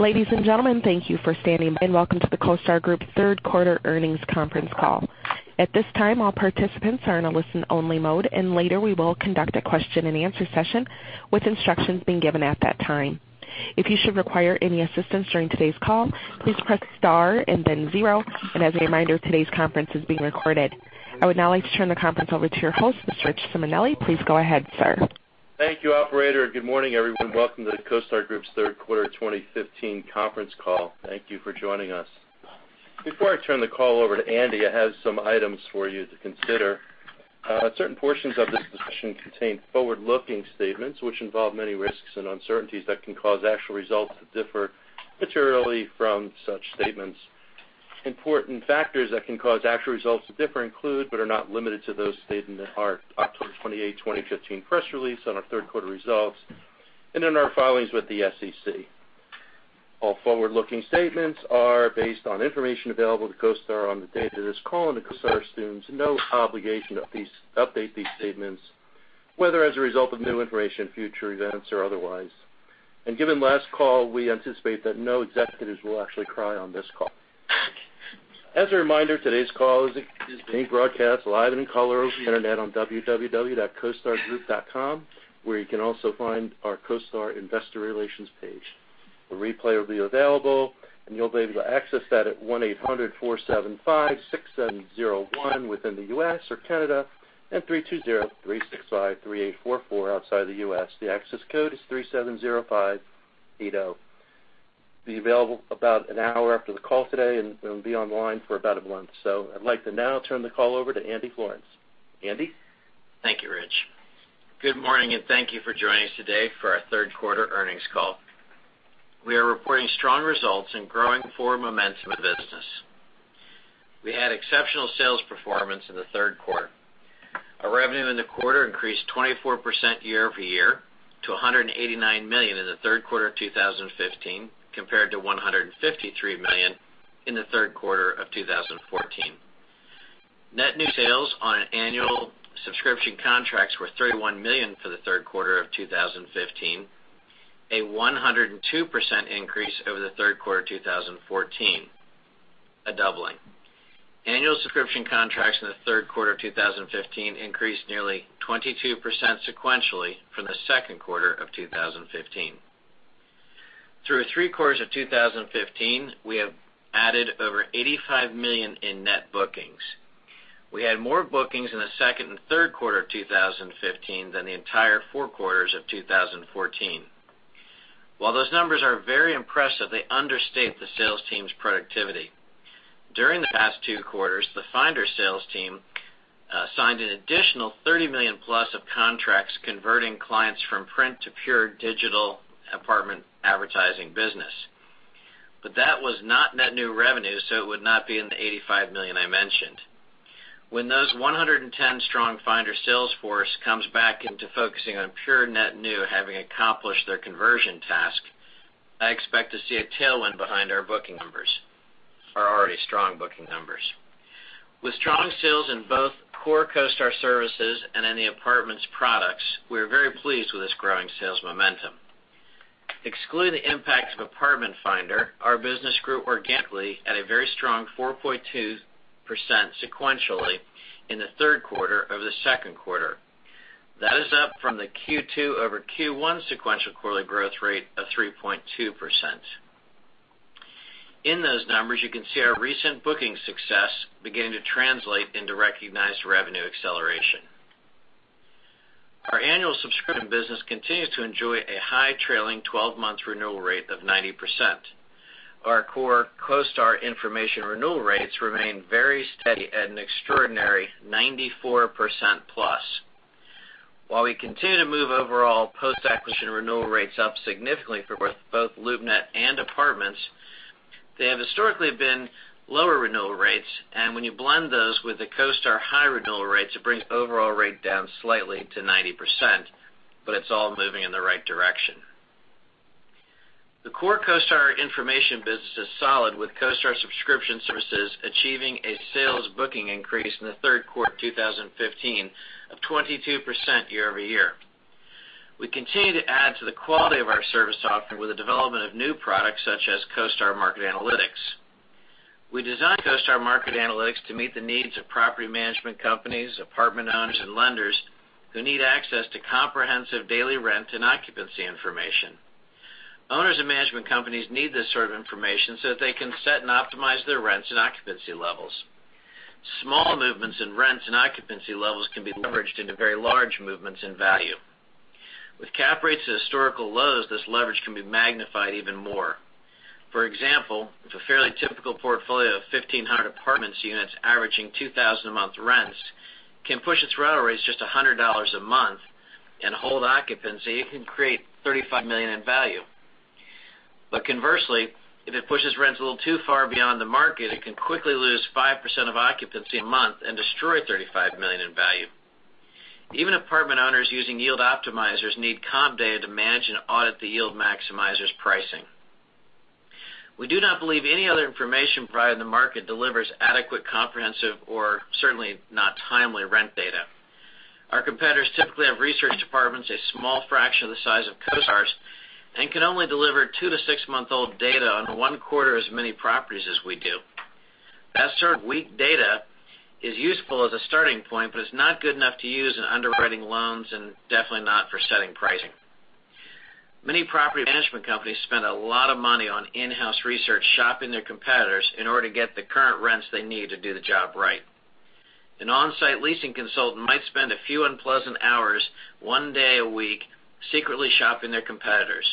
Ladies and gentlemen, thank you for standing by, and welcome to the CoStar Group third quarter earnings conference call. At this time, all participants are in a listen-only mode. Later we will conduct a question-and-answer session with instructions being given at that time. If you should require any assistance during today's call, please press star and then zero. As a reminder, today's conference is being recorded. I would now like to turn the conference over to your host, Richard Simonelli. Please go ahead, sir. Thank you, operator. Good morning, everyone. Welcome to the CoStar Group's third quarter 2015 conference call. Thank you for joining us. Before I turn the call over to Andy, I have some items for you to consider. Certain portions of this discussion contain forward-looking statements, which involve many risks and uncertainties that can cause actual results to differ materially from such statements. Important factors that can cause actual results to differ include but are not limited to those stated in our October 28, 2015, press release on our third-quarter results, and in our filings with the SEC. All forward-looking statements are based on information available to CoStar on the date of this call. CoStar assumes no obligation to update these statements, whether as a result of new information, future events, or otherwise. Given last call, we anticipate that no executives will actually cry on this call. As a reminder, today's call is being broadcast live and in color over the internet on www.costargroup.com, where you can also find our CoStar investor relations page. A replay will be available. You'll be able to access that at 1-800-475-6701 within the U.S. or Canada, and 320-365-3844 outside the U.S. The access code is 370580. It'll be available about an hour after the call today and will be online for about a month. I'd like to now turn the call over to Andy Florance. Andy? Thank you, Rich. Good morning, and thank you for joining us today for our third-quarter earnings call. We are reporting strong results and growing forward momentum in the business. We had exceptional sales performance in the third quarter. Our revenue in the quarter increased 24% year-over-year to $189 million in the third quarter of 2015, compared to $153 million in the third quarter of 2014. Net new sales on annual subscription contracts were $31 million for the third quarter of 2015, a 102% increase over the third quarter 2014. A doubling. Annual subscription contracts in the third quarter of 2015 increased nearly 22% sequentially from the second quarter of 2015. Through the three quarters of 2015, we have added over $85 million in net bookings. We had more bookings in the second and third quarter of 2015 than the entire four quarters of 2014. While those numbers are very impressive, they understate the sales team's productivity. During the past two quarters, the finder sales team signed an additional $30 million-plus of contracts, converting clients from print to pure digital apartment advertising business. That was not net new revenue, so it would not be in the $85 million I mentioned. When those 110-strong finder sales force comes back into focusing on pure net new, having accomplished their conversion task, I expect to see a tailwind behind our booking numbers, our already strong booking numbers. With strong sales in both core CoStar services and in the apartments products, we are very pleased with this growing sales momentum. Excluding the impact of Apartment Finder, our business grew organically at a very strong 4.2% sequentially in the third quarter over the second quarter. That is up from the Q2 over Q1 sequential quarterly growth rate of 3.2%. In those numbers, you can see our recent booking success beginning to translate into recognized revenue acceleration. Our annual subscription business continues to enjoy a high trailing 12-month renewal rate of 90%. Our core CoStar information renewal rates remain very steady at an extraordinary 94% plus. While we continue to move overall post-acquisition renewal rates up significantly for both LoopNet and apartments, they have historically been lower renewal rates, and when you blend those with the CoStar high renewal rates, it brings the overall rate down slightly to 90%, but it's all moving in the right direction. The core CoStar information business is solid, with CoStar Subscription Services achieving a sales booking increase in the third quarter of 2015 of 22% year-over-year. We continue to add to the quality of our service offering with the development of new products such as CoStar Market Analytics. We designed CoStar Market Analytics to meet the needs of property management companies, apartment owners, and lenders who need access to comprehensive daily rent and occupancy information. Owners and management companies need this sort of information so that they can set and optimize their rents and occupancy levels. Small movements in rents and occupancy levels can be leveraged into very large movements in value. With cap rates at historical lows, this leverage can be magnified even more. For example, with a fairly typical portfolio of 1,500 apartment units averaging $2,000-a-month rents, can push its rental rates just $100 a month and hold occupancy, it can create $35 million in value. Conversely, if it pushes rents a little too far beyond the market, it can quickly lose 5% of occupancy a month and destroy $35 million in value. Even apartment owners using yield optimizers need comp data to manage and audit the yield maximizer's pricing. We do not believe any other information provided in the market delivers adequate, comprehensive, or certainly not timely rent data. Our competitors typically have research departments, a small fraction of the size of CoStar's, and can only deliver 2 to 6-month-old data on one-quarter as many properties as we do. That sort of weak data is useful as a starting point, it's not good enough to use in underwriting loans and definitely not for setting pricing. Many property management companies spend a lot of money on in-house research, shopping their competitors in order to get the current rents they need to do the job right. An on-site leasing consultant might spend a few unpleasant hours one day a week secretly shopping their competitors.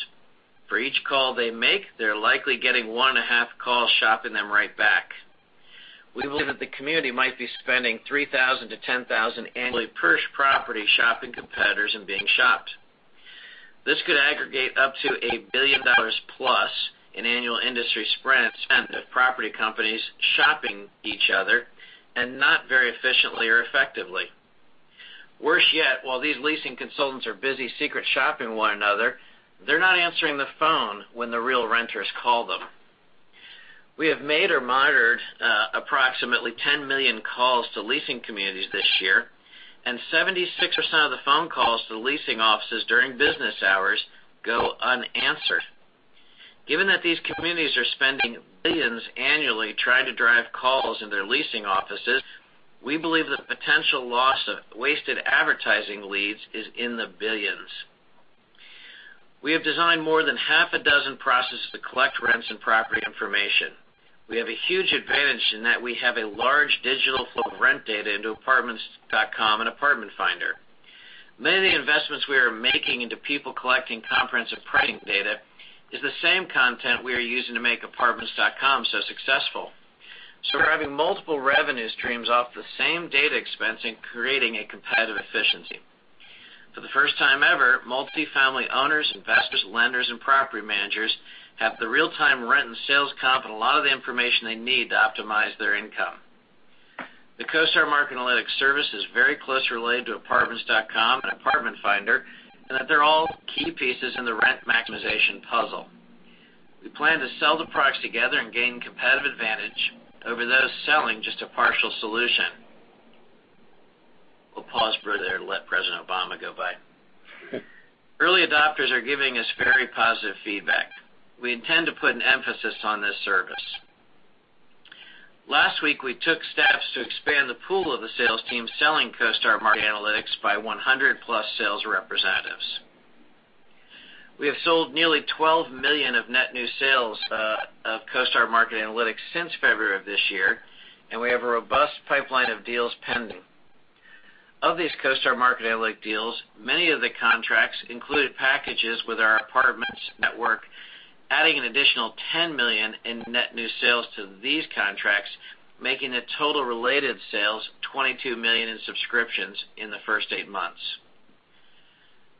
For each call they make, they're likely getting 1.5 calls shopping them right back. We believe that the community might be spending $3,000-$10,000 annually per property shopping competitors and being shopped. This could aggregate up to $1 billion plus in annual industry spend of property companies shopping each other and not very efficiently or effectively. Worse yet, while these leasing consultants are busy secret shopping one another, they're not answering the phone when the real renters call them. We have made or monitored approximately 10 million calls to leasing communities this year, and 76% of the phone calls to the leasing offices during business hours go unanswered. Given that these communities are spending $billions annually trying to drive calls in their leasing offices, we believe the potential loss of wasted advertising leads is in the $billions. We have designed more than half a dozen processes to collect rents and property information. We have a huge advantage in that we have a large digital flow of rent data into apartments.com and Apartment Finder. Many of the investments we are making into people collecting comprehensive pricing data is the same content we are using to make Apartments.com so successful. We're having multiple revenue streams off the same data expense and creating a competitive efficiency. For the first time ever, multifamily owners, investors, lenders, and property managers have the real-time rent and sales comp and a lot of the information they need to optimize their income. The CoStar Market Analytics service is very closely related to apartments.com and Apartment Finder, and that they're all key pieces in the rent maximization puzzle. We plan to sell the products together and gain competitive advantage over those selling just a partial solution. We'll pause for there to let President Obama go by. Early adopters are giving us very positive feedback. We intend to put an emphasis on this service. Last week, we took steps to expand the pool of the sales team selling CoStar Market Analytics by 100-plus sales representatives. We have sold nearly $12 million of net new sales of CoStar Market Analytics since February of this year, and we have a robust pipeline of deals pending. Of these CoStar Market Analytics deals, many of the contracts included packages with our Apartments network, adding an additional $10 million in net new sales to these contracts, making the total related sales $22 million in subscriptions in the first eight months.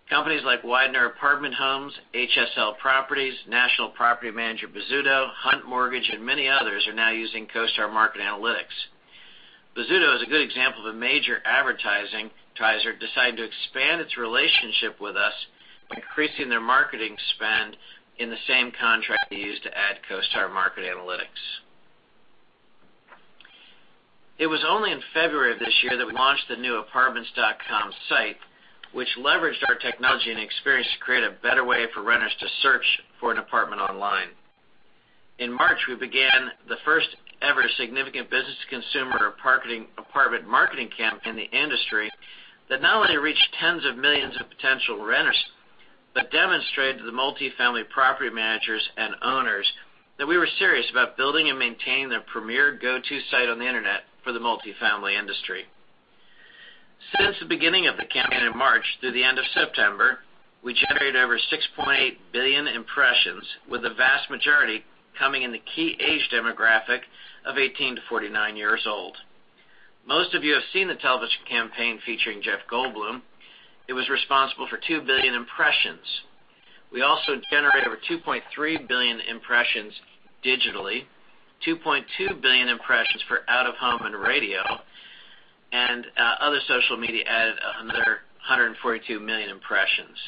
Companies like Weidner Apartment Homes, HSL Properties, National property manager Bozzuto, Hunt Mortgage, and many others are now using CoStar Market Analytics. Bozzuto is a good example of a major advertiser deciding to expand its relationship with us by increasing their marketing spend in the same contract they used to add CoStar Market Analytics. It was only in February of this year that we launched the new apartments.com site, which leveraged our technology and experience to create a better way for renters to search for an apartment online. In March, we began the first-ever significant business consumer apartment marketing campaign in the industry that not only reached tens of millions of potential renters, but demonstrated to the multifamily property managers and owners that we were serious about building and maintaining the premier go-to site on the Internet for the multifamily industry. Since the beginning of the campaign in March through the end of September, we generated over 6.8 billion impressions, with the vast majority coming in the key age demographic of 18 to 49 years old. Most of you have seen the television campaign featuring Jeff Goldblum. It was responsible for 2 billion impressions. We also generated over 2.3 billion impressions digitally, 2.2 billion impressions for out-of-home and radio, and other social media added another 142 million impressions.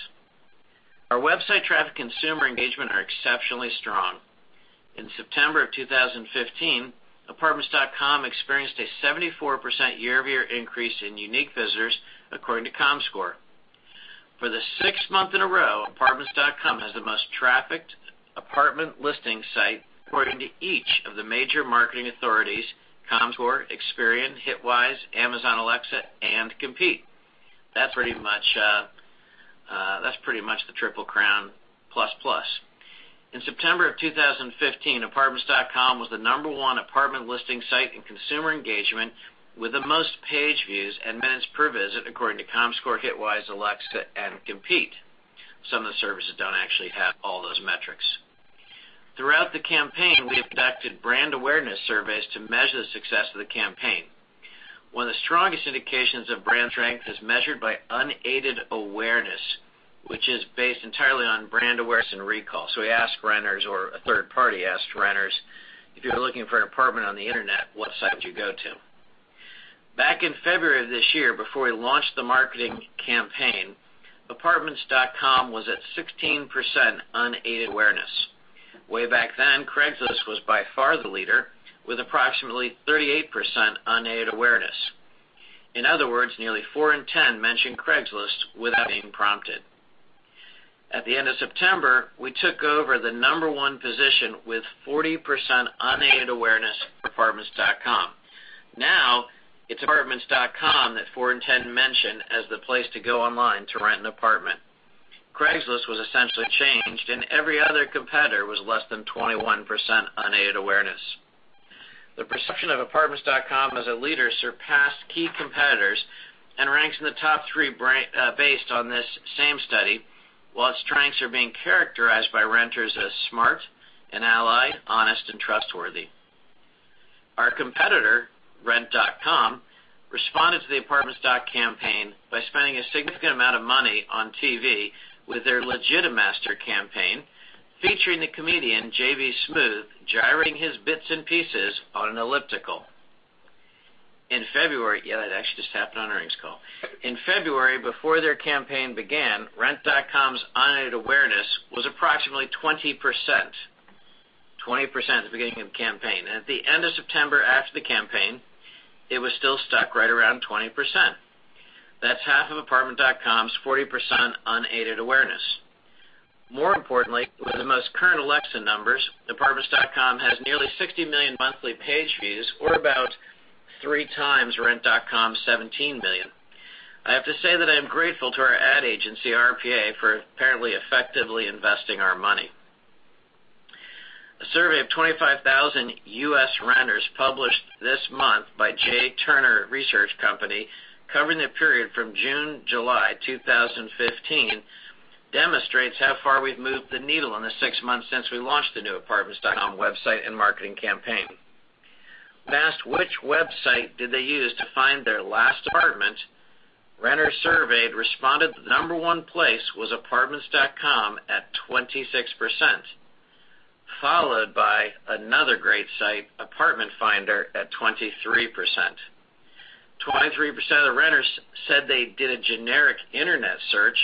Our website traffic and consumer engagement are exceptionally strong. In September of 2015, apartments.com experienced a 74% year-over-year increase in unique visitors, according to Comscore. For the sixth month in a row, apartments.com has the most trafficked apartment listing site according to each of the major marketing authorities, Comscore, Experian, Hitwise, Alexa, and Compete. That's pretty much the triple crown plus. In September of 2015, apartments.com was the number one apartment listing site in consumer engagement with the most page views and minutes per visit, according to Comscore, Hitwise, Alexa, and Compete. Some of the services don't actually have all those metrics. Throughout the campaign, we have conducted brand awareness surveys to measure the success of the campaign. One of the strongest indications of brand strength is measured by unaided awareness, which is based entirely on brand awareness and recall. We asked renters, or a third party asked renters, "If you were looking for an apartment on the Internet, what site would you go to?" Back in February of this year, before we launched the marketing campaign, apartments.com was at 16% unaided awareness. Way back then, Craigslist was by far the leader with approximately 38% unaided awareness. In other words, nearly four in 10 mentioned Craigslist without being prompted. At the end of September, we took over the number one position with 40% unaided awareness for apartments.com. It's apartments.com that four in 10 mention as the place to go online to rent an apartment. Craigslist was essentially changed, and every other competitor was less than 21% unaided awareness. The perception of apartments.com as a leader surpassed key competitors and ranks in the top three based on this same study, while its strengths are being characterized by renters as smart, an ally, honest, and trustworthy. Our competitor, rent.com, responded to the apartments.com campaign by spending a significant amount of money on TV with their Legit-a-Master campaign, featuring the comedian J.B. Smoove gyring his bits and pieces on an elliptical. Yeah, that actually just happened on Earnings Call. In February, before their campaign began, rent.com's unaided awareness was approximately 20%. 20% at the beginning of the campaign. At the end of September, after the campaign, it was still stuck right around 20%. That's half of apartments.com's 40% unaided awareness. More importantly, with the most current Alexa numbers, apartments.com has nearly 60 million monthly page views, or about three times rent.com's 17 million. I have to say that I am grateful to our ad agency, RPA, for apparently effectively investing our money. A survey of 25,000 U.S. renters published this month by J Turner Research, covering the period from June-July 2015, demonstrates how far we've moved the needle in the six months since we launched the new apartments.com website and marketing campaign. When asked which website did they use to find their last apartment, renters surveyed responded the number one place was apartments.com at 26%, followed by another great site, Apartment Finder, at 23%. 23% of the renters said they did a generic internet search.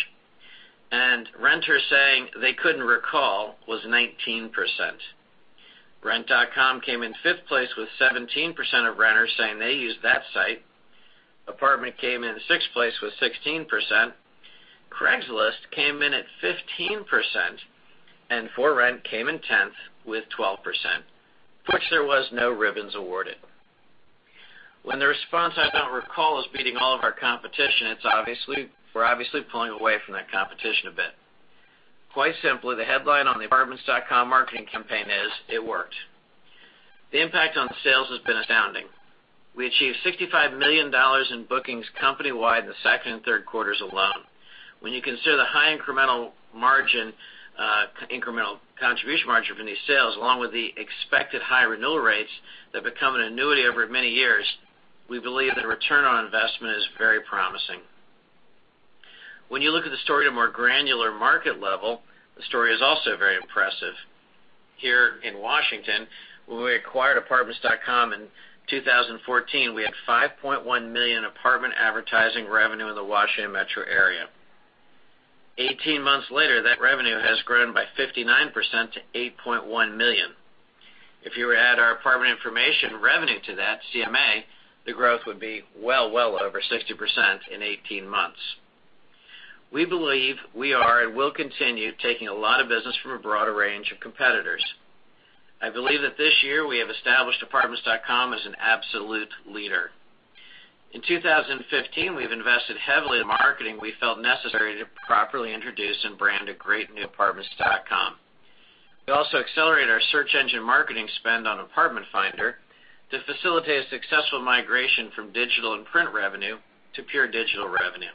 Renters saying they couldn't recall was 19%. Rent.com came in fifth place with 17% of renters saying they used that site. Apartment came in sixth place with 16%. Craigslist came in at 15%. For Rent came in 10th with 12%, which there was no ribbons awarded. When the response "I don't recall" is beating all of our competition, we're obviously pulling away from that competition a bit. Quite simply, the headline on the apartments.com marketing campaign is, It Worked. The impact on sales has been astounding. We achieved $65 million in bookings company-wide in the second and third quarters alone. When you consider the high incremental contribution margin from these sales, along with the expected high renewal rates that become an annuity over many years, we believe that return on investment is very promising. When you look at the story at a more granular market level, the story is also very impressive. Here in Washington, when we acquired apartments.com in 2014, we had $5.1 million apartment advertising revenue in the Washington metro area. 18 months later, that revenue has grown by 59% to $8.1 million. If you were to add our apartment information revenue to that CMA, the growth would be well over 60% in 18 months. We believe we are and will continue taking a lot of business from a broader range of competitors. I believe that this year we have established apartments.com as an absolute leader. In 2015, we've invested heavily in marketing we felt necessary to properly introduce and brand a great new apartments.com. We also accelerated our search engine marketing spend on Apartment Finder to facilitate a successful migration from digital and print revenue to pure digital revenue.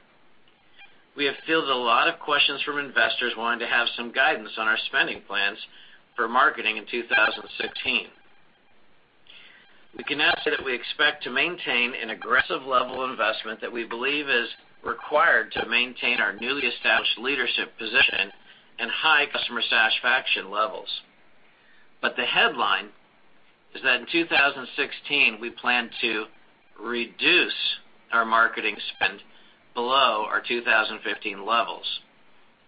We have fielded a lot of questions from investors wanting to have some guidance on our spending plans for marketing in 2016. We can now say that we expect to maintain an aggressive level of investment that we believe is required to maintain our newly established leadership position and high customer satisfaction levels. The headline is that in 2016, we plan to reduce our marketing spend below our 2015 levels.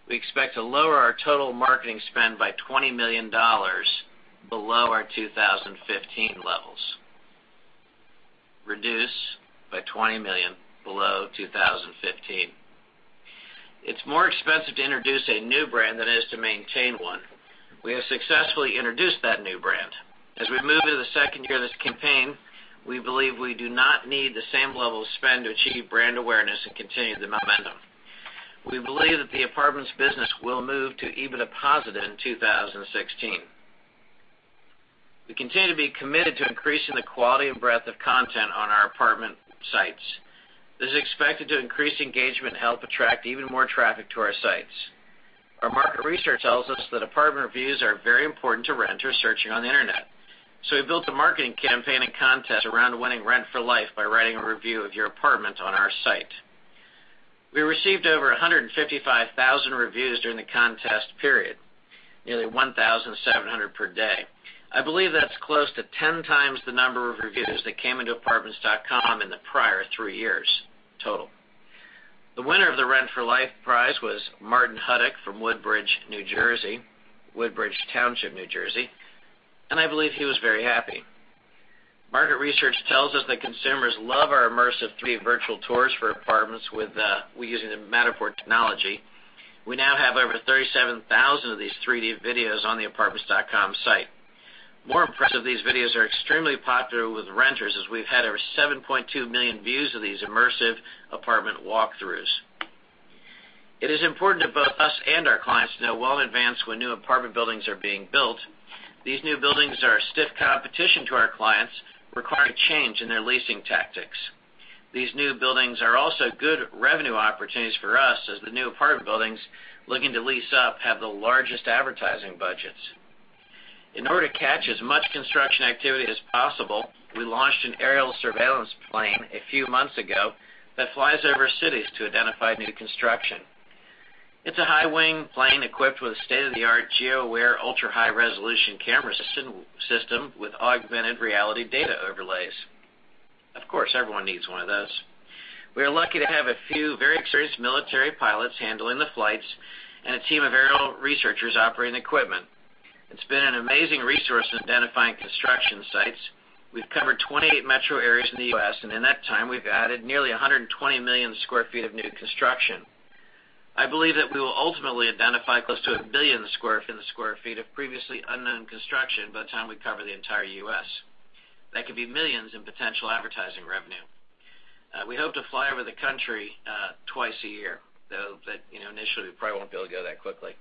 We expect to lower our total marketing spend by $20 million below our 2015 levels. Reduce by $20 million below 2015. It's more expensive to introduce a new brand than it is to maintain one. We have successfully introduced that new brand. As we move to the second year of this campaign, we believe we do not need the same level of spend to achieve brand awareness and continue the momentum. We believe that the apartments business will move to EBITDA positive in 2016. We continue to be committed to increasing the quality and breadth of content on our apartment sites. This is expected to increase engagement and help attract even more traffic to our sites. Our market research tells us that apartment reviews are very important to renters searching on the internet. We built a marketing campaign and contest around winning Rent for Life by writing a review of your apartment on our site. We received over 155,000 reviews during the contest period. Nearly 1,700 per day. I believe that's close to 10 times the number of reviews that came into apartments.com in the prior three years total. The winner of the Rent for Life prize was Martin Huttick from Woodbridge, New Jersey, Woodbridge Township, New Jersey. I believe he was very happy. Market research tells us that consumers love our immersive 3D virtual tours for apartments with using the Matterport technology. We now have over 37,000 of these 3D videos on the Apartments.com site. More impressive, these videos are extremely popular with renters, as we've had over 7.2 million views of these immersive apartment walkthroughs. It is important to both us and our clients to know well in advance when new apartment buildings are being built. These new buildings are a stiff competition to our clients, require a change in their leasing tactics. These new buildings are also good revenue opportunities for us, as the new apartment buildings looking to lease up have the largest advertising budgets. In order to catch as much construction activity as possible, we launched an aerial surveillance plane a few months ago that flies over cities to identify new construction. It's a high-wing plane equipped with a state-of-the-art GeoEye ultra-high-resolution camera system with augmented reality data overlays. Of course, everyone needs one of those. We are lucky to have a few very experienced military pilots handling the flights and a team of aerial researchers operating equipment. It's been an amazing resource in identifying construction sites. We've covered 28 metro areas in the U.S., and in that time, we've added nearly 120 million sq ft of new construction. I believe that we will ultimately identify close to 1 billion sq ft of previously unknown construction by the time we cover the entire U.S. That could be millions in potential advertising revenue. We hope to fly over the country twice a year, though initially, we probably won't be able to go that quickly.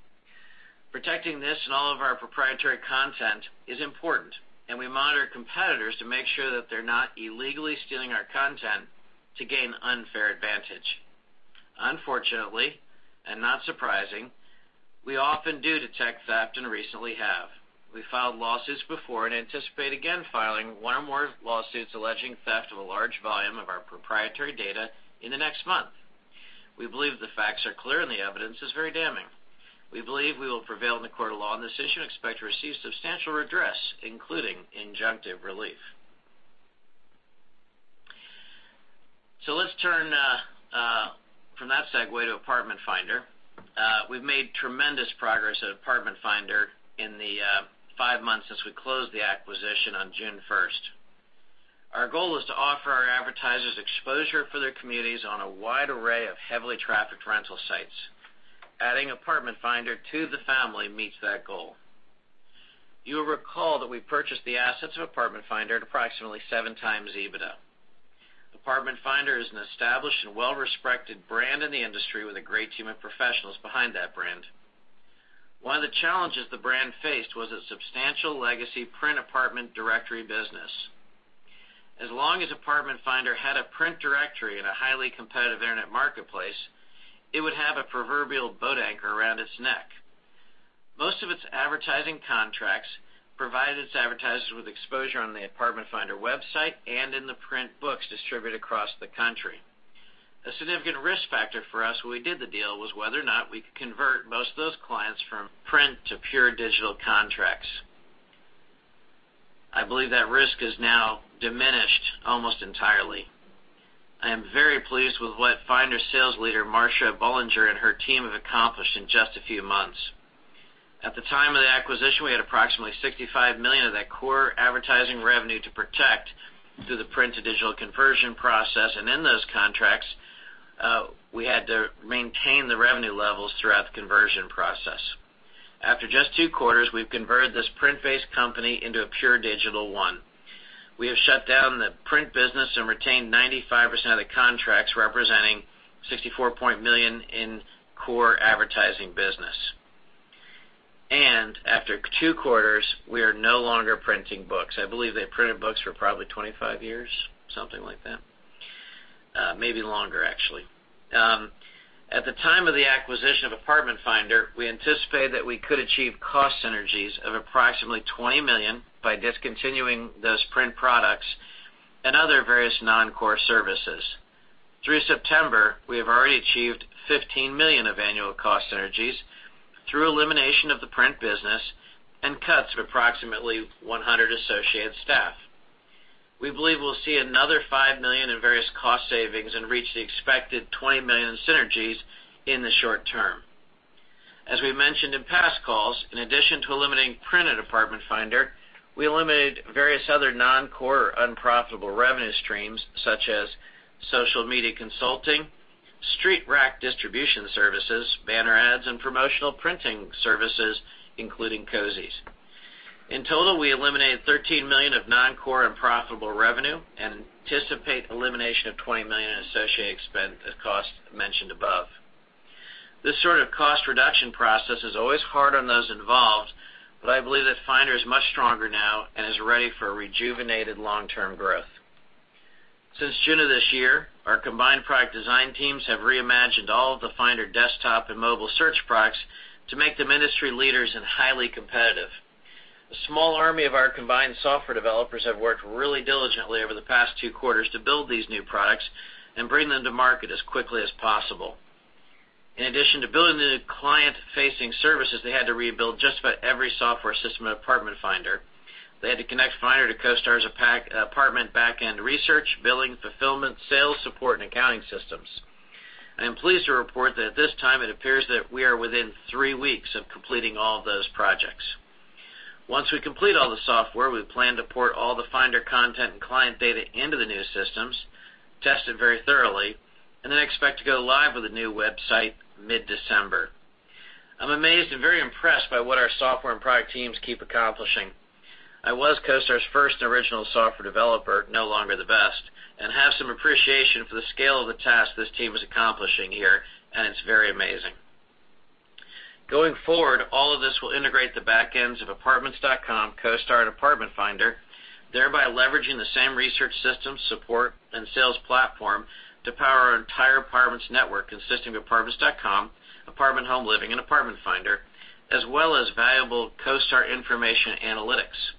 Protecting this and all of our proprietary content is important. We monitor competitors to make sure that they're not illegally stealing our content to gain unfair advantage. Unfortunately, not surprising, we often do detect theft and recently have. We filed lawsuits before and anticipate again filing one or more lawsuits alleging theft of a large volume of our proprietary data in the next month. We believe the facts are clear, and the evidence is very damning. We believe we will prevail in the court of law on this issue and expect to receive substantial redress, including injunctive relief. Let's turn from that segue to Apartment Finder. We've made tremendous progress at Apartment Finder in the five months since we closed the acquisition on June 1st. Our goal is to offer our advertisers exposure for their communities on a wide array of heavily trafficked rental sites. Adding Apartment Finder to the family meets that goal. You will recall that we purchased the assets of Apartment Finder at approximately seven times EBITDA. Apartment Finder is an established and well-respected brand in the industry with a great team of professionals behind that brand. One of the challenges the brand faced was its substantial legacy print apartment directory business. As long as Apartment Finder had a print directory in a highly competitive Internet marketplace, it would have a proverbial boat anchor around its neck. Most of its advertising contracts provided its advertisers with exposure on the Apartment Finder website and in the print books distributed across the country. A significant risk factor for us when we did the deal was whether or not we could convert most of those clients from print to pure digital contracts. I believe that risk is now diminished almost entirely. I am very pleased with what Finder sales leader Marcia Bollinger and her team have accomplished in just a few months. At the time of the acquisition, we had approximately $65 million of that core advertising revenue to protect through the print-to-digital conversion process. In those contracts, we had to maintain the revenue levels throughout the conversion process. After just two quarters, we've converted this print-based company into a pure digital one. We have shut down the print business and retained 95% of the contracts, representing $64 million in core advertising business. After two quarters, we are no longer printing books. I believe they printed books for probably 25 years, something like that. Maybe longer, actually. At the time of the acquisition of Apartment Finder, we anticipated that we could achieve cost synergies of approximately $20 million by discontinuing those print products and other various non-core services. Through September, we have already achieved $15 million of annual cost synergies through elimination of the print business and cuts of approximately 100 associate staff. We believe we'll see another $5 million in various cost savings and reach the expected $20 million synergies in the short term. As we mentioned in past calls, in addition to eliminating print at Apartment Finder, we eliminated various other non-core or unprofitable revenue streams, such as social media consulting, street rack distribution services, banner ads, and promotional printing services, including cozies. In total, we eliminated $13 million of non-core and profitable revenue and anticipate elimination of $20 million in associated expense costs mentioned above. This sort of cost reduction process is always hard on those involved, but I believe that Finder is much stronger now and is ready for rejuvenated long-term growth. Since June of this year, our combined product design teams have reimagined all of the Finder desktop and mobile search products to make them industry leaders and highly competitive. The small army of our combined software developers have worked really diligently over the past two quarters to build these new products and bring them to market as quickly as possible. In addition to building the new client-facing services, they had to rebuild just about every software system at Apartment Finder. They had to connect Finder to CoStar's apartment back-end research, billing, fulfillment, sales support, and accounting systems. I am pleased to report that at this time, it appears that we are within three weeks of completing all of those projects. Once we complete all the software, we plan to port all the Finder content and client data into the new systems, test it very thoroughly, and then expect to go live with a new website mid-December. I'm amazed and very impressed by what our software and product teams keep accomplishing. I was CoStar's first original software developer, no longer the best, and have some appreciation for the scale of the task this team is accomplishing here, and it's very amazing. Going forward, all of this will integrate the back ends of apartments.com, CoStar, and Apartment Finder, thereby leveraging the same research system, support, and sales platform to power our entire apartments network, consisting of apartments.com, Apartment Home Living, and Apartment Finder, as well as valuable CoStar information analytics.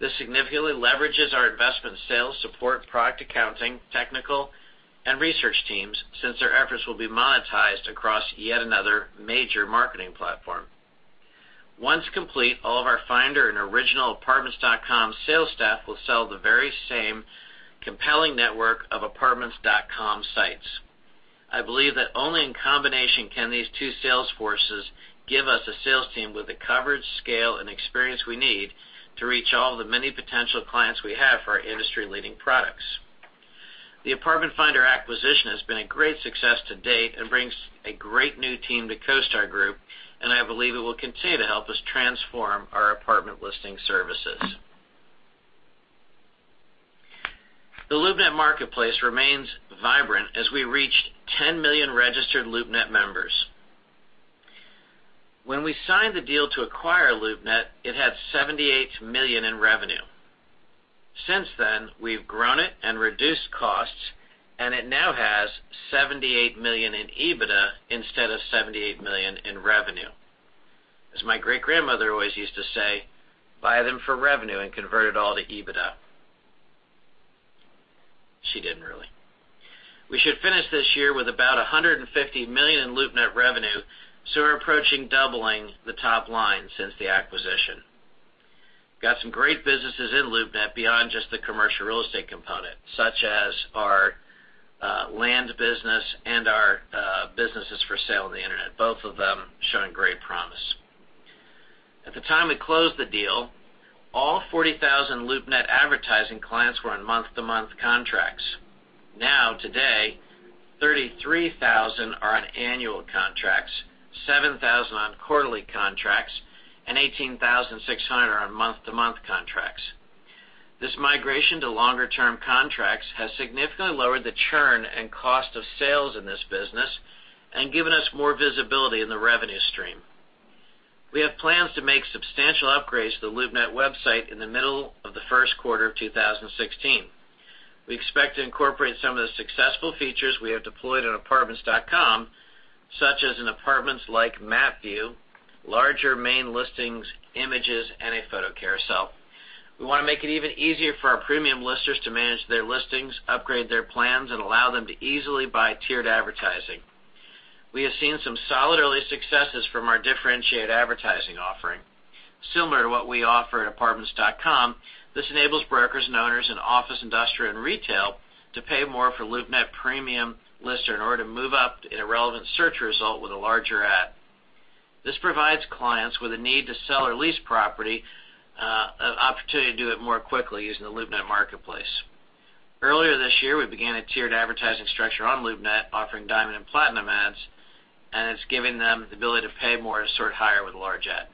This significantly leverages our investment sales, support, product accounting, technical, and research teams, since their efforts will be monetized across yet another major marketing platform. Once complete, all of our Apartment Finder and original Apartments.com sales staff will sell the very same compelling network of Apartments.com sites. I believe that only in combination can these two sales forces give us a sales team with the coverage, scale, and experience we need to reach all the many potential clients we have for our industry-leading products. The Apartment Finder acquisition has been a great success to date and brings a great new team to CoStar Group, and I believe it will continue to help us transform our apartment listing services. The LoopNet marketplace remains vibrant as we reached 10 million registered LoopNet members. When we signed the deal to acquire LoopNet, it had $78 million in revenue. Since then, we've grown it and reduced costs, and it now has $78 million in EBITDA instead of $78 million in revenue. As my great-grandmother always used to say, "Buy them for revenue and convert it all to EBITDA." She didn't really. We should finish this year with about $150 million in LoopNet revenue, we're approaching doubling the top line since the acquisition. We got some great businesses in LoopNet beyond just the commercial real estate component, such as our land business and our businesses for sale on the internet, both of them showing great promise. At the time we closed the deal, all 40,000 LoopNet advertising clients were on month-to-month contracts. Today, 33,000 are on annual contracts, 7,000 on quarterly contracts, and 18,600 are on month-to-month contracts. This migration to longer-term contracts has significantly lowered the churn and cost of sales in this business and given us more visibility in the revenue stream. We have plans to make substantial upgrades to the LoopNet website in the middle of the first quarter of 2016. We expect to incorporate some of the successful features we have deployed on Apartments.com, such as an Apartments-like map view, larger main listings, images, and a photo carousel. We want to make it even easier for our premium listers to manage their listings, upgrade their plans, and allow them to easily buy tiered advertising. We have seen some solid early successes from our differentiated advertising offering. Similar to what we offer at Apartments.com, this enables brokers and owners in office, industrial, and retail to pay more for LoopNet premium lister in order to move up in a relevant search result with a larger ad. This provides clients with a need to sell or lease property an opportunity to do it more quickly using the LoopNet marketplace. Earlier this year, we began a tiered advertising structure on LoopNet offering Diamond and Platinum ads, it's given them the ability to pay more to sort higher with a large ad.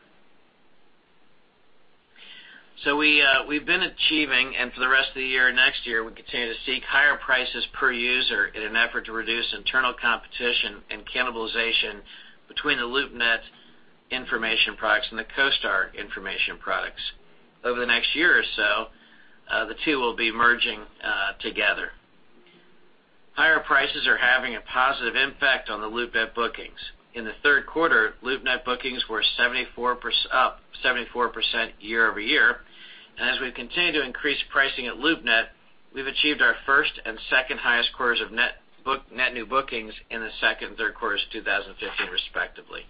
We've been achieving, and for the rest of the year, next year, we continue to seek higher prices per user in an effort to reduce internal competition and cannibalization between the LoopNet information products and the CoStar information products. Over the next year or so, the two will be merging together. Higher prices are having a positive impact on the LoopNet bookings. In the third quarter, LoopNet bookings were up 74% year-over-year, and as we've continued to increase pricing at LoopNet, we've achieved our first and second highest quarters of net new bookings in the second and third quarters of 2015, respectively.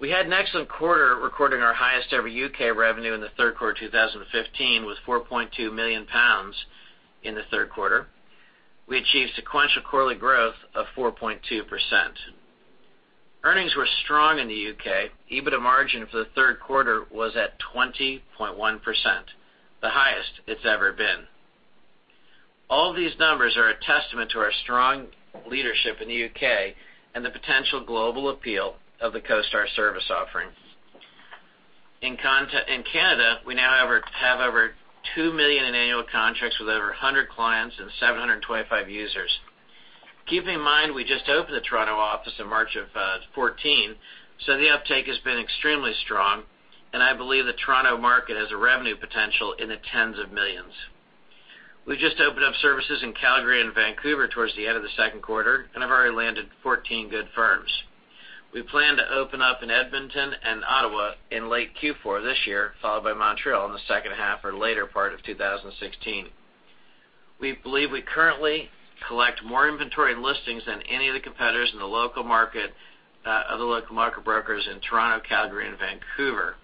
We had an excellent quarter recording our highest-ever U.K. revenue in the third quarter of 2015, with 4.2 million pounds in the third quarter. We achieved sequential quarterly growth of 4.2%. Earnings were strong in the U.K. EBITDA margin for the third quarter was at 20.1%, the highest it's ever been. All these numbers are a testament to our strong leadership in the U.K. and the potential global appeal of the CoStar service offering. In Canada, we now have over 2 million in annual contracts with over 100 clients and 725 users. Keep in mind, we just opened the Toronto office in March of 2014, the uptake has been extremely strong, and I believe the Toronto market has a revenue potential in the tens of millions. We've just opened up services in Calgary and Vancouver towards the end of the second quarter and have already landed 14 good firms. We plan to open up in Edmonton and Ottawa in late Q4 this year, followed by Montreal in the second half or later part of 2016. We believe we currently collect more inventory listings than any of the competitors in the local market brokers in Toronto, Calgary, and Vancouver.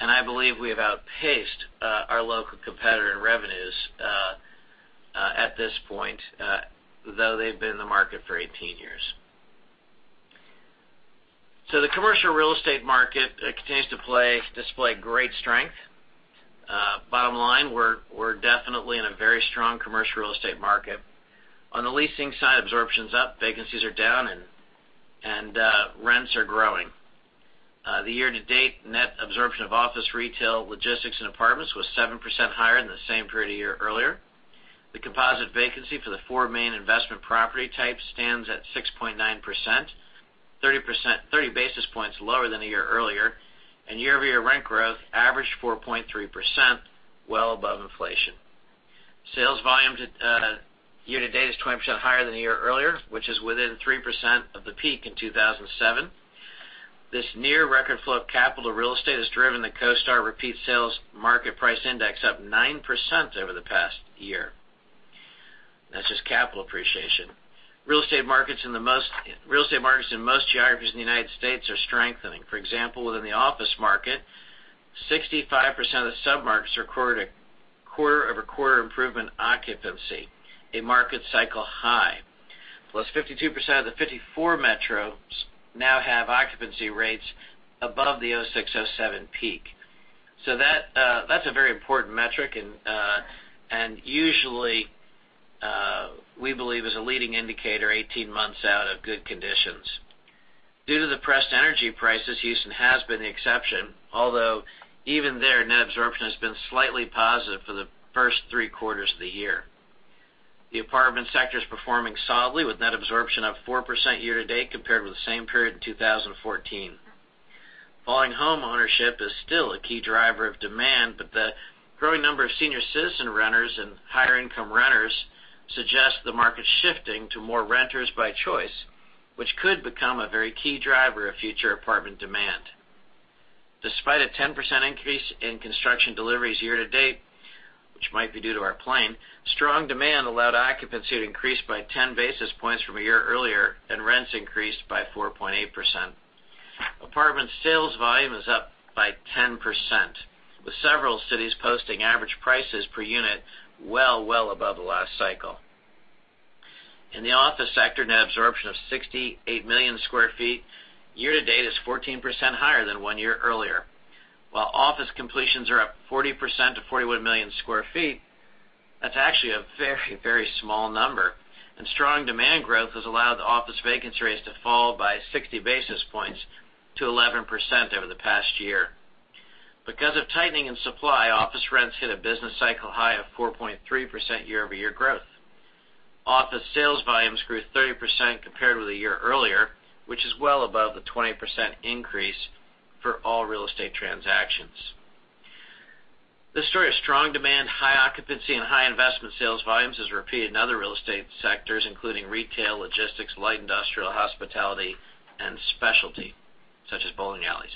I believe we have outpaced our local competitor in revenues at this point, though they've been in the market for 18 years. The commercial real estate market continues to display great strength. Bottom line, we're definitely in a very strong commercial real estate market. On the leasing side, absorption's up, vacancies are down, and rents are growing. The year-to-date net absorption of office, retail, logistics, and apartments was 7% higher than the same period a year earlier. The composite vacancy for the four main investment property types stands at 6.9%, 30 basis points lower than a year earlier, and year-over-year rent growth averaged 4.3%, well above inflation. Sales volume to date is 20% higher than a year earlier, which is within 3% of the peak in 2007. This near-record flow of capital to real estate has driven the CoStar Commercial Repeat-Sale Indices up 9% over the past year. That's just capital appreciation. Real estate markets in most geographies in the United States are strengthening. For example, within the office market, 65% of the submarkets recorded a quarter-over-quarter improvement in occupancy, a market cycle high. 52% of the 54 metros now have occupancy rates above the 2006, 2007 peak. That's a very important metric and usually, we believe is a leading indicator 18 months out of good conditions. Due to the depressed energy prices, Houston has been the exception, although even there, net absorption has been slightly positive for the first three quarters of the year. The apartment sector is performing solidly, with net absorption up 4% year-to-date compared with the same period in 2014. Falling home ownership is still a key driver of demand, the growing number of senior citizen renters and higher-income renters suggests the market's shifting to more renters by choice, which could become a very key driver of future apartment demand. Despite a 10% increase in construction deliveries year-to-date, which might be due to our plan, strong demand allowed occupancy to increase by 10 basis points from a year earlier, and rents increased by 4.8%. Apartment sales volume is up by 10%, with several cities posting average prices per unit well above the last cycle. In the office sector, net absorption of 68 million square feet year-to-date is 14% higher than one year earlier. While office completions are up 40% to 41 million square feet, that's actually a very small number, and strong demand growth has allowed the office vacancy rates to fall by 60 basis points to 11% over the past year. Because of tightening in supply, office rents hit a business cycle high of 4.3% year-over-year growth. Office sales volumes grew 30% compared with a year earlier, which is well above the 20% increase for all real estate transactions. The story of strong demand, high occupancy, and high investment sales volumes is repeated in other real estate sectors, including retail, logistics, light industrial, hospitality, and specialty, such as bowling alleys.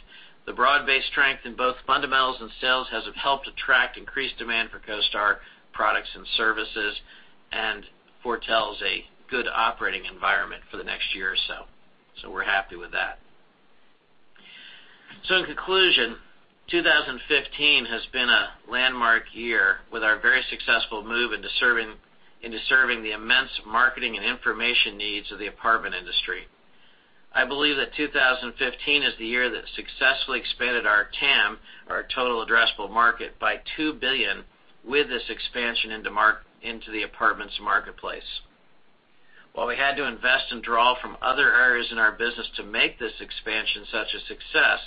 The broad-based strength in both fundamentals and sales has helped attract increased demand for CoStar products and services and foretells a good operating environment for the next year or so. We're happy with that. In conclusion, 2015 has been a landmark year with our very successful move into serving the immense marketing and information needs of the apartment industry. I believe that 2015 is the year that successfully expanded our TAM, our total addressable market, by $2 billion with this expansion into the apartments marketplace. While we had to invest and draw from other areas in our business to make this expansion such a success,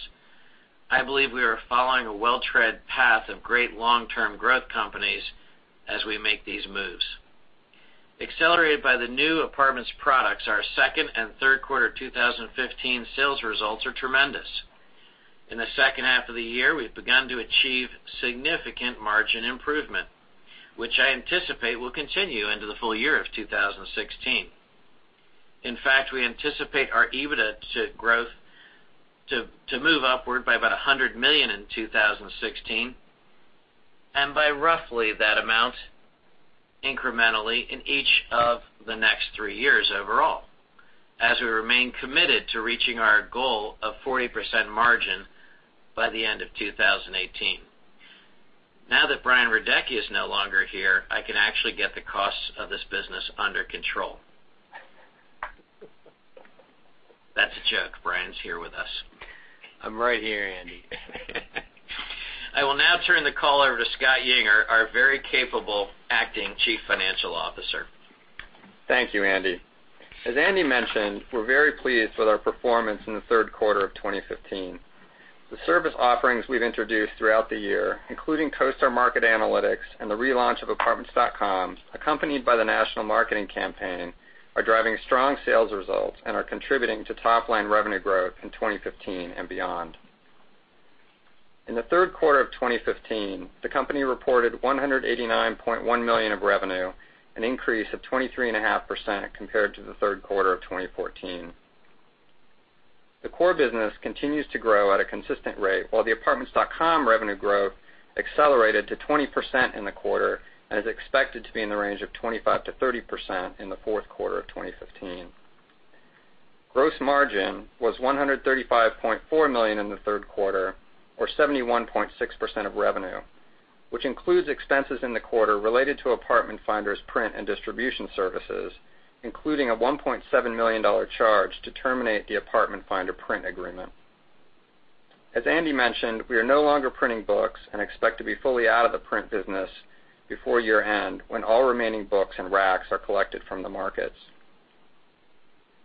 I believe we are following a well-trod path of great long-term growth companies as we make these moves. Accelerated by the new apartments products, our second and third quarter 2015 sales results are tremendous. In the second half of the year, we've begun to achieve significant margin improvement, which I anticipate will continue into the full year of 2016. In fact, we anticipate our EBITDA to move upward by about $100 million in 2016, and by roughly that amount incrementally in each of the next three years overall, as we remain committed to reaching our goal of 40% margin by the end of 2018. Now that Brian Radecki is no longer here, I can actually get the costs of this business under control. That's a joke. Brian's here with us. I'm right here, Andy. I will now turn the call over to Scott Yinger, our very capable acting Chief Financial Officer. Thank you, Andy. As Andy mentioned, we are very pleased with our performance in the third quarter of 2015. The service offerings we have introduced throughout the year, including CoStar Market Analytics and the relaunch of apartments.com, accompanied by the national marketing campaign, are driving strong sales results and are contributing to top-line revenue growth in 2015 and beyond. In the third quarter of 2015, the company reported $189.1 million of revenue, an increase of 23.5% compared to the third quarter of 2014. The core business continues to grow at a consistent rate, while the apartments.com revenue growth accelerated to 20% in the quarter and is expected to be in the range of 25%-30% in the fourth quarter of 2015. Gross margin was $135.4 million in the third quarter, or 71.6% of revenue, which includes expenses in the quarter related to Apartment Finder's print and distribution services, including a $1.7 million charge to terminate the Apartment Finder print agreement. As Andy mentioned, we are no longer printing books and expect to be fully out of the print business before year-end, when all remaining books and racks are collected from the markets.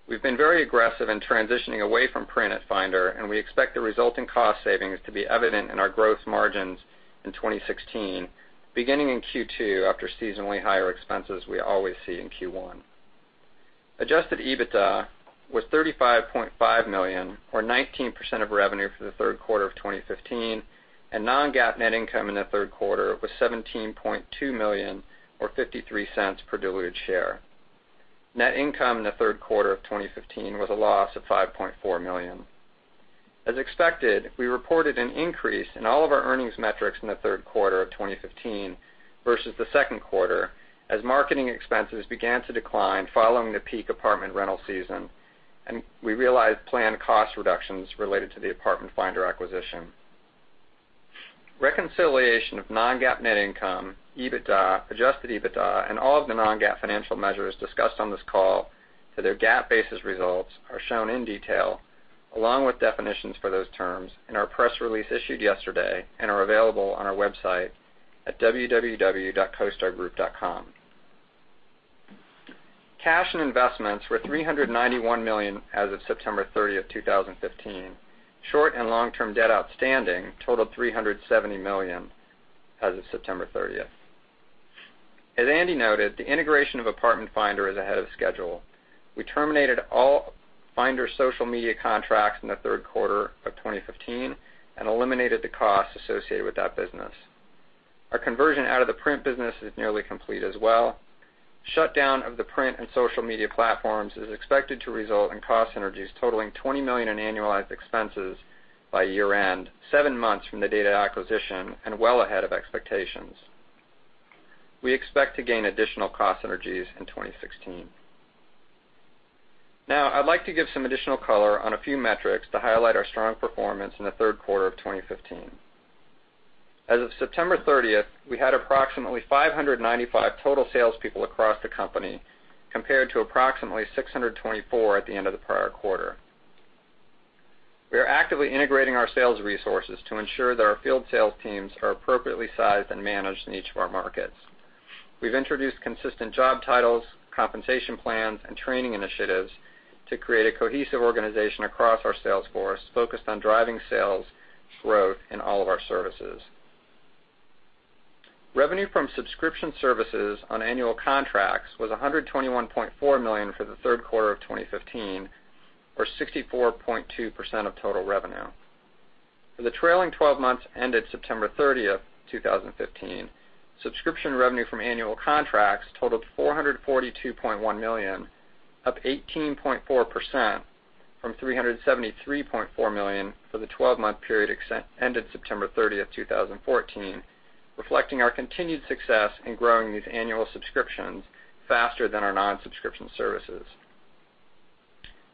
We have been very aggressive in transitioning away from print at Finder, and we expect the resulting cost savings to be evident in our gross margins in 2016, beginning in Q2, after seasonally higher expenses we always see in Q1. Adjusted EBITDA was $35.5 million, or 19% of revenue for the third quarter of 2015, and non-GAAP net income in the third quarter was $17.2 million, or $0.53 per diluted share. Net income in the third quarter of 2015 was a loss of $5.4 million. As expected, we reported an increase in all of our earnings metrics in the third quarter of 2015 versus the second quarter, as marketing expenses began to decline following the peak apartment rental season, and we realized planned cost reductions related to the Apartment Finder acquisition. Reconciliation of non-GAAP net income, EBITDA, adjusted EBITDA, and all of the non-GAAP financial measures discussed on this call to their GAAP-basis results are shown in detail, along with definitions for those terms in our press release issued yesterday and are available on our website at www.costargroup.com. Cash and investments were $391 million as of September 30, 2015. Short- and long-term debt outstanding totaled $370 million as of September 30th. As Andy noted, the integration of Apartment Finder is ahead of schedule. We terminated all Apartment Finder social media contracts in the third quarter of 2015 and eliminated the costs associated with that business. Our conversion out of the print business is nearly complete as well. Shutdown of the print and social media platforms is expected to result in cost synergies totaling $20 million in annualized expenses by year-end, seven months from the date of acquisition and well ahead of expectations. We expect to gain additional cost synergies in 2016. Now, I'd like to give some additional color on a few metrics to highlight our strong performance in the third quarter of 2015. As of September 30, we had approximately 595 total salespeople across the company, compared to approximately 624 at the end of the prior quarter. We are actively integrating our sales resources to ensure that our field sales teams are appropriately sized and managed in each of our markets. We've introduced consistent job titles, compensation plans, and training initiatives to create a cohesive organization across our sales force, focused on driving sales growth in all of our services. Revenue from subscription services on annual contracts was $121.4 million for the third quarter of 2015, or 64.2% of total revenue. For the trailing 12 months ended September 30, 2015, subscription revenue from annual contracts totaled $442.1 million, up 18.4% from $373.4 million for the 12-month period ended September 30, 2014, reflecting our continued success in growing these annual subscriptions faster than our non-subscription services.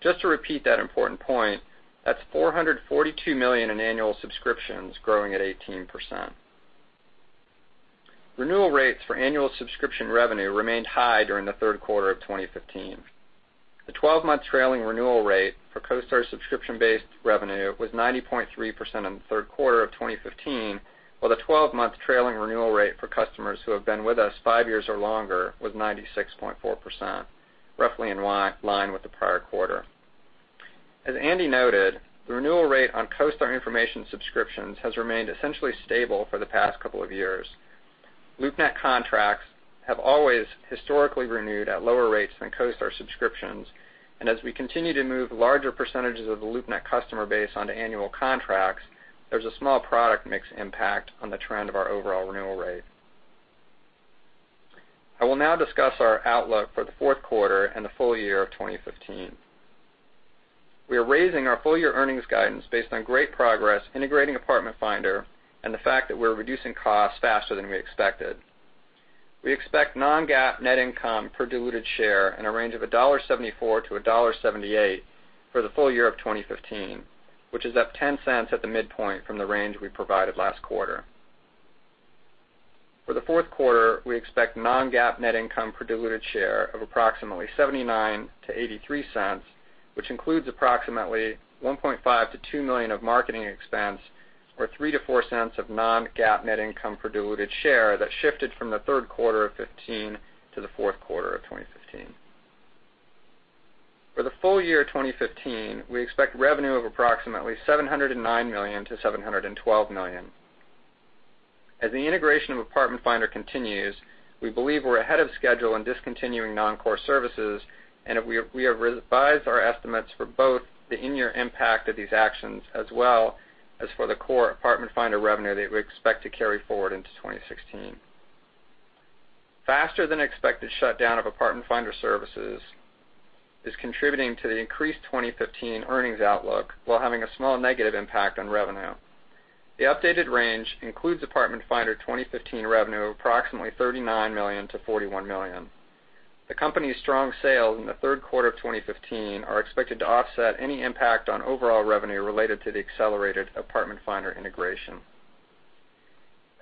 Just to repeat that important point, that's $442 million in annual subscriptions growing at 18%. Renewal rates for annual subscription revenue remained high during the third quarter of 2015. The 12-month trailing renewal rate for CoStar subscription-based revenue was 90.3% in the third quarter of 2015, while the 12-month trailing renewal rate for customers who have been with us five years or longer was 96.4%, roughly in line with the prior quarter. As Andy noted, the renewal rate on CoStar information subscriptions has remained essentially stable for the past couple of years. LoopNet contracts have always historically renewed at lower rates than CoStar subscriptions, and as we continue to move larger percentages of the LoopNet customer base onto annual contracts, there's a small product mix impact on the trend of our overall renewal rate. I will now discuss our outlook for the fourth quarter and the full year of 2015. We are raising our full-year earnings guidance based on great progress integrating Apartment Finder and the fact that we're reducing costs faster than we expected. We expect non-GAAP net income per diluted share in a range of $1.74-$1.78 for the full year of 2015, which is up $0.10 at the midpoint from the range we provided last quarter. For the fourth quarter, we expect non-GAAP net income per diluted share of approximately $0.79-$0.83, which includes approximately $1.5 million-$2 million of marketing expense or $0.03-$0.04 of non-GAAP net income per diluted share that shifted from the third quarter of 2015 to the fourth quarter of 2015. For the full year 2015, we expect revenue of approximately $709 million-$712 million. As the integration of Apartment Finder continues, we believe we're ahead of schedule in discontinuing non-core services, and we have revised our estimates for both the in-year impact of these actions, as well as for the core Apartment Finder revenue that we expect to carry forward into 2016. Faster than expected shutdown of Apartment Finder services is contributing to the increased 2015 earnings outlook, while having a small negative impact on revenue. The updated range includes Apartment Finder 2015 revenue of approximately $39 million-$41 million. The company's strong sales in the third quarter of 2015 are expected to offset any impact on overall revenue related to the accelerated Apartment Finder integration.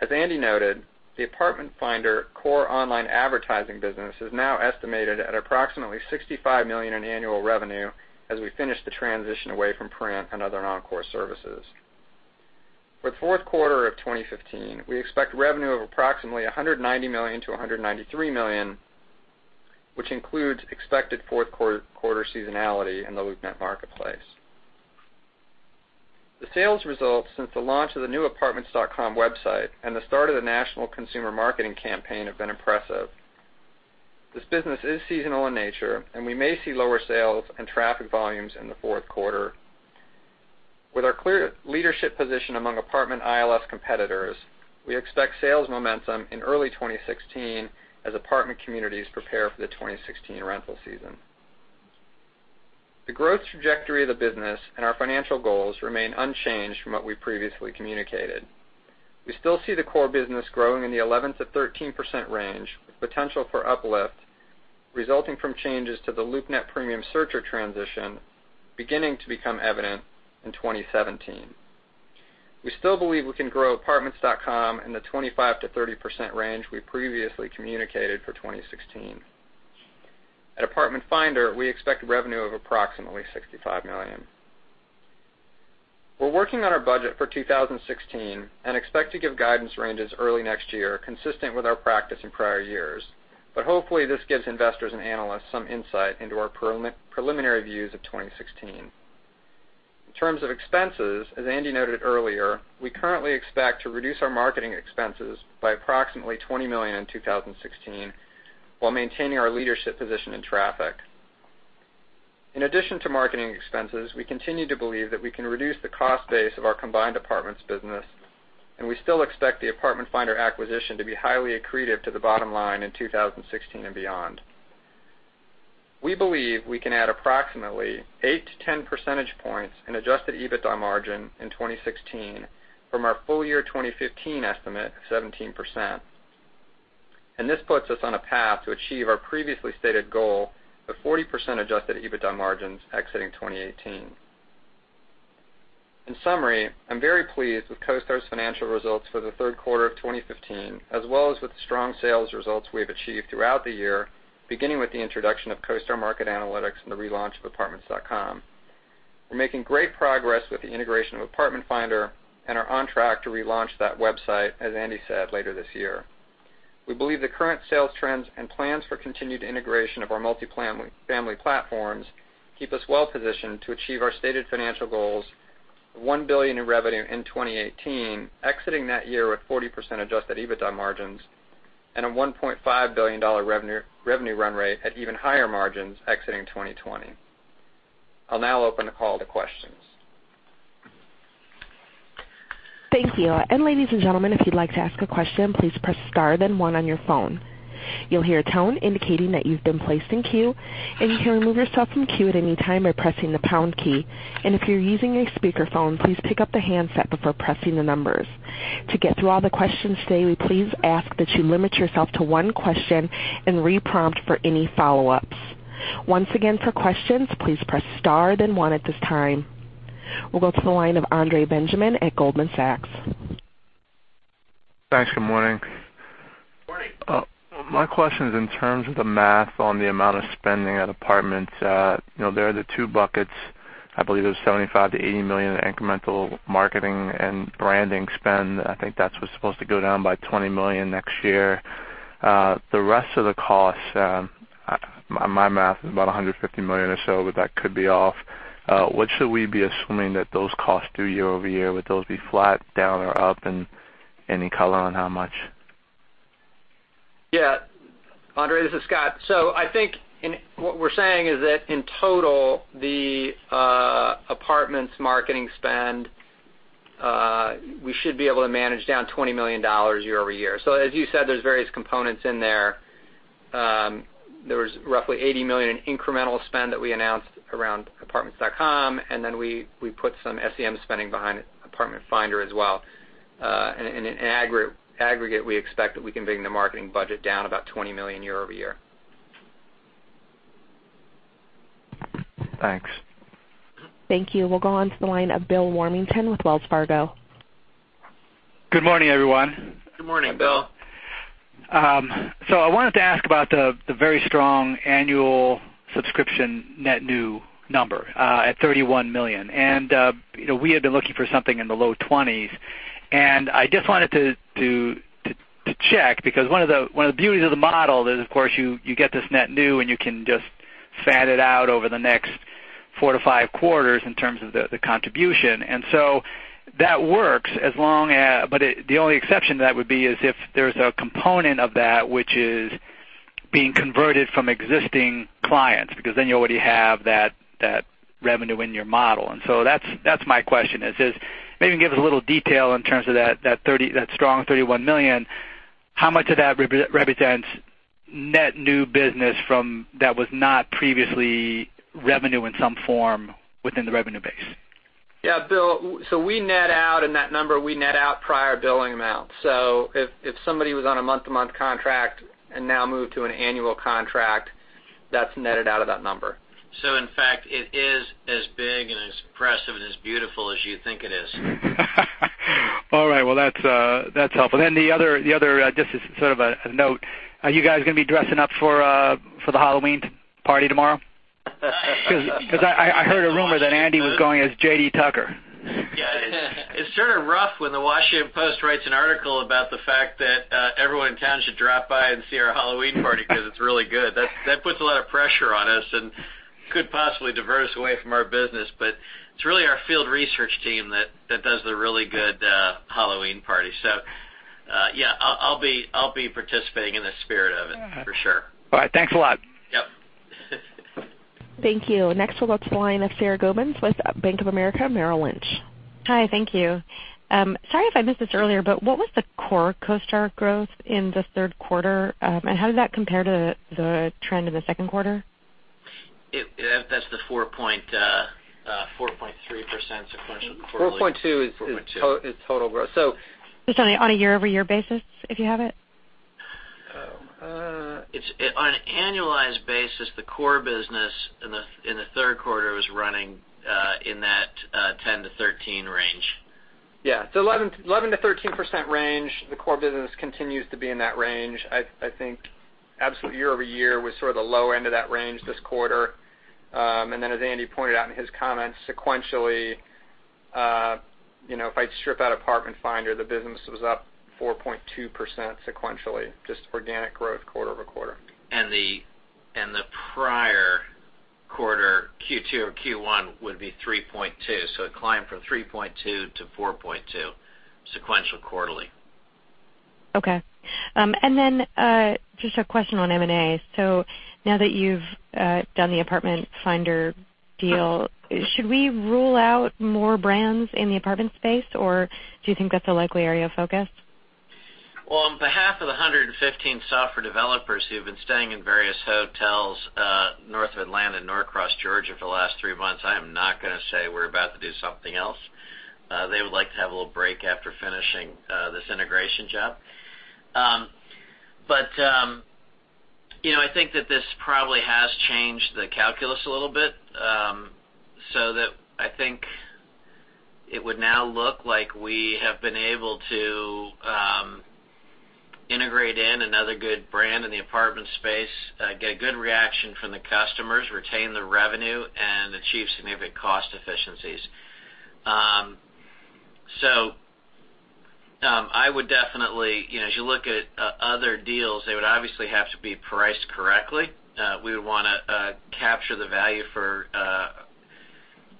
As Andy noted, the Apartment Finder core online advertising business is now estimated at approximately $65 million in annual revenue as we finish the transition away from print and other non-core services. For the fourth quarter of 2015, we expect revenue of approximately $190 million-$193 million, which includes expected fourth quarter seasonality in the LoopNet marketplace. The sales results since the launch of the new apartments.com website and the start of the national consumer marketing campaign have been impressive. This business is seasonal in nature, and we may see lower sales and traffic volumes in the fourth quarter. With our clear leadership position among apartment ILS competitors, we expect sales momentum in early 2016 as apartment communities prepare for the 2016 rental season. The growth trajectory of the business and our financial goals remain unchanged from what we previously communicated. We still see the core business growing in the 11%-13% range, with potential for uplift resulting from changes to the LoopNet premium searcher transition beginning to become evident in 2017. We still believe we can grow apartments.com in the 25%-30% range we previously communicated for 2016. At Apartment Finder, we expect revenue of approximately $65 million. We're working on our budget for 2016 and expect to give guidance ranges early next year, consistent with our practice in prior years. Hopefully, this gives investors and analysts some insight into our preliminary views of 2016. In terms of expenses, as Andy noted earlier, we currently expect to reduce our marketing expenses by approximately $20 million in 2016 while maintaining our leadership position in traffic. In addition to marketing expenses, we continue to believe that we can reduce the cost base of our combined apartments business, and we still expect the Apartment Finder acquisition to be highly accretive to the bottom line in 2016 and beyond. We believe we can add approximately 8-10 percentage points in adjusted EBITDA margin in 2016 from our full year 2015 estimate of 17%. This puts us on a path to achieve our previously stated goal of 40% adjusted EBITDA margins exiting 2018. In summary, I'm very pleased with CoStar's financial results for the third quarter of 2015, as well as with the strong sales results we have achieved throughout the year, beginning with the introduction of CoStar Market Analytics and the relaunch of apartments.com. We're making great progress with the integration of Apartment Finder and are on track to relaunch that website, as Andy said, later this year. We believe the current sales trends and plans for continued integration of our multifamily platforms keep us well-positioned to achieve our stated financial goals of $1 billion in revenue in 2018, exiting that year with 40% adjusted EBITDA margins, and a $1.5 billion revenue run rate at even higher margins exiting 2020. I'll now open the call to questions. Thank you. Ladies and gentlemen, if you'd like to ask a question, please press star then one on your phone. You'll hear a tone indicating that you've been placed in queue, and you can remove yourself from queue at any time by pressing the pound key. If you're using a speakerphone, please pick up the handset before pressing the numbers. To get through all the questions today, we please ask that you limit yourself to one question and reprompt for any follow-ups. Once again, for questions, please press star then one at this time. We'll go to the line of Andre Benjamin at Goldman Sachs. Thanks. Good morning. Morning. My question is in terms of the math on the amount of spending at apartments. There are the two buckets. I believe there's $75 million to $80 million in incremental marketing and branding spend. I think that was supposed to go down by $20 million next year. The rest of the cost, my math, is about $150 million or so, but that could be off. What should we be assuming that those costs do year-over-year? Would those be flat, down, or up, and any color on how much? Yeah. Andre, this is Scott. I think what we're saying is that in total, the apartments marketing spend, we should be able to manage down $20 million year-over-year. As you said, there's various components in there. There was roughly $80 million in incremental spend that we announced around Apartments.com, and then we put some SEM spending behind Apartment Finder as well. In aggregate, we expect that we can bring the marketing budget down about $20 million year-over-year. Thanks. Thank you. We'll go on to the line of Bill Warmington with Wells Fargo. Good morning, everyone. Good morning, Bill. I wanted to ask about the very strong annual subscription net new number at $31 million. We had been looking for something in the low twenties, and I just wanted to check, because one of the beauties of the model is, of course, you get this net new and you can just fat it out over the next four to five quarters in terms of the contribution. That works, but the only exception to that would be is if there's a component of that which is being converted from existing clients, because then you already have that revenue in your model. That's my question is, maybe give us a little detail in terms of that strong $31 million. How much of that represents net new business that was not previously revenue in some form within the revenue base? Yeah, Bill, we net out in that number, we net out prior billing amounts. If somebody was on a month-to-month contract and now moved to an annual contract, that's netted out of that number. In fact, it is as big and as impressive and as beautiful as you think it is. All right. Well, that's helpful. The other, just as sort of a note, are you guys going to be dressing up for the Halloween party tomorrow? Because I heard a rumor that Andy was going as J.D. Tucker. It's sort of rough when the Washington Post writes an article about the fact that everyone in town should drop by and see our Halloween party because it's really good. That puts a lot of pressure on us and could possibly divert us away from our business, it's really our field research team that does the really good Halloween party. Yeah, I'll be participating in the spirit of it, for sure. All right. Thanks a lot. Yep. Thank you. Next we'll go up to the line of Sara Gubins with Bank of America Merrill Lynch. Hi, thank you. Sorry if I missed this earlier, what was the core CoStar growth in the third quarter? How did that compare to the trend in the second quarter? That's the 4.3% sequential quarterly. 4.2 4.2 total growth. On a year-over-year basis, if you have it? On an annualized basis, the core business in the third quarter was running in that 10-13 range. Yeah. 11%-13% range. The core business continues to be in that range. I think absolute year-over-year was sort of the low end of that range this quarter. As Andy pointed out in his comments, sequentially, if I strip out Apartment Finder, the business was up 4.2% sequentially, just organic growth quarter-over-quarter. The prior quarter, Q2 or Q1, would be 3.2%. It climbed from 3.2%-4.2% sequential quarterly. Okay. Just a question on M&A. Now that you've done the Apartment Finder deal, should we rule out more brands in the apartment space, or do you think that's a likely area of focus? On behalf of the 115 software developers who've been staying in various hotels north of Atlanta, Norcross, Georgia, for the last three months, I am not going to say we're about to do something else. They would like to have a little break after finishing this integration job. I think that this probably has changed the calculus a little bit, so that I think it would now look like we have been able to integrate in another good brand in the apartment space, get a good reaction from the customers, retain the revenue, and achieve significant cost efficiencies. As you look at other deals, they would obviously have to be priced correctly. We would want to capture the value for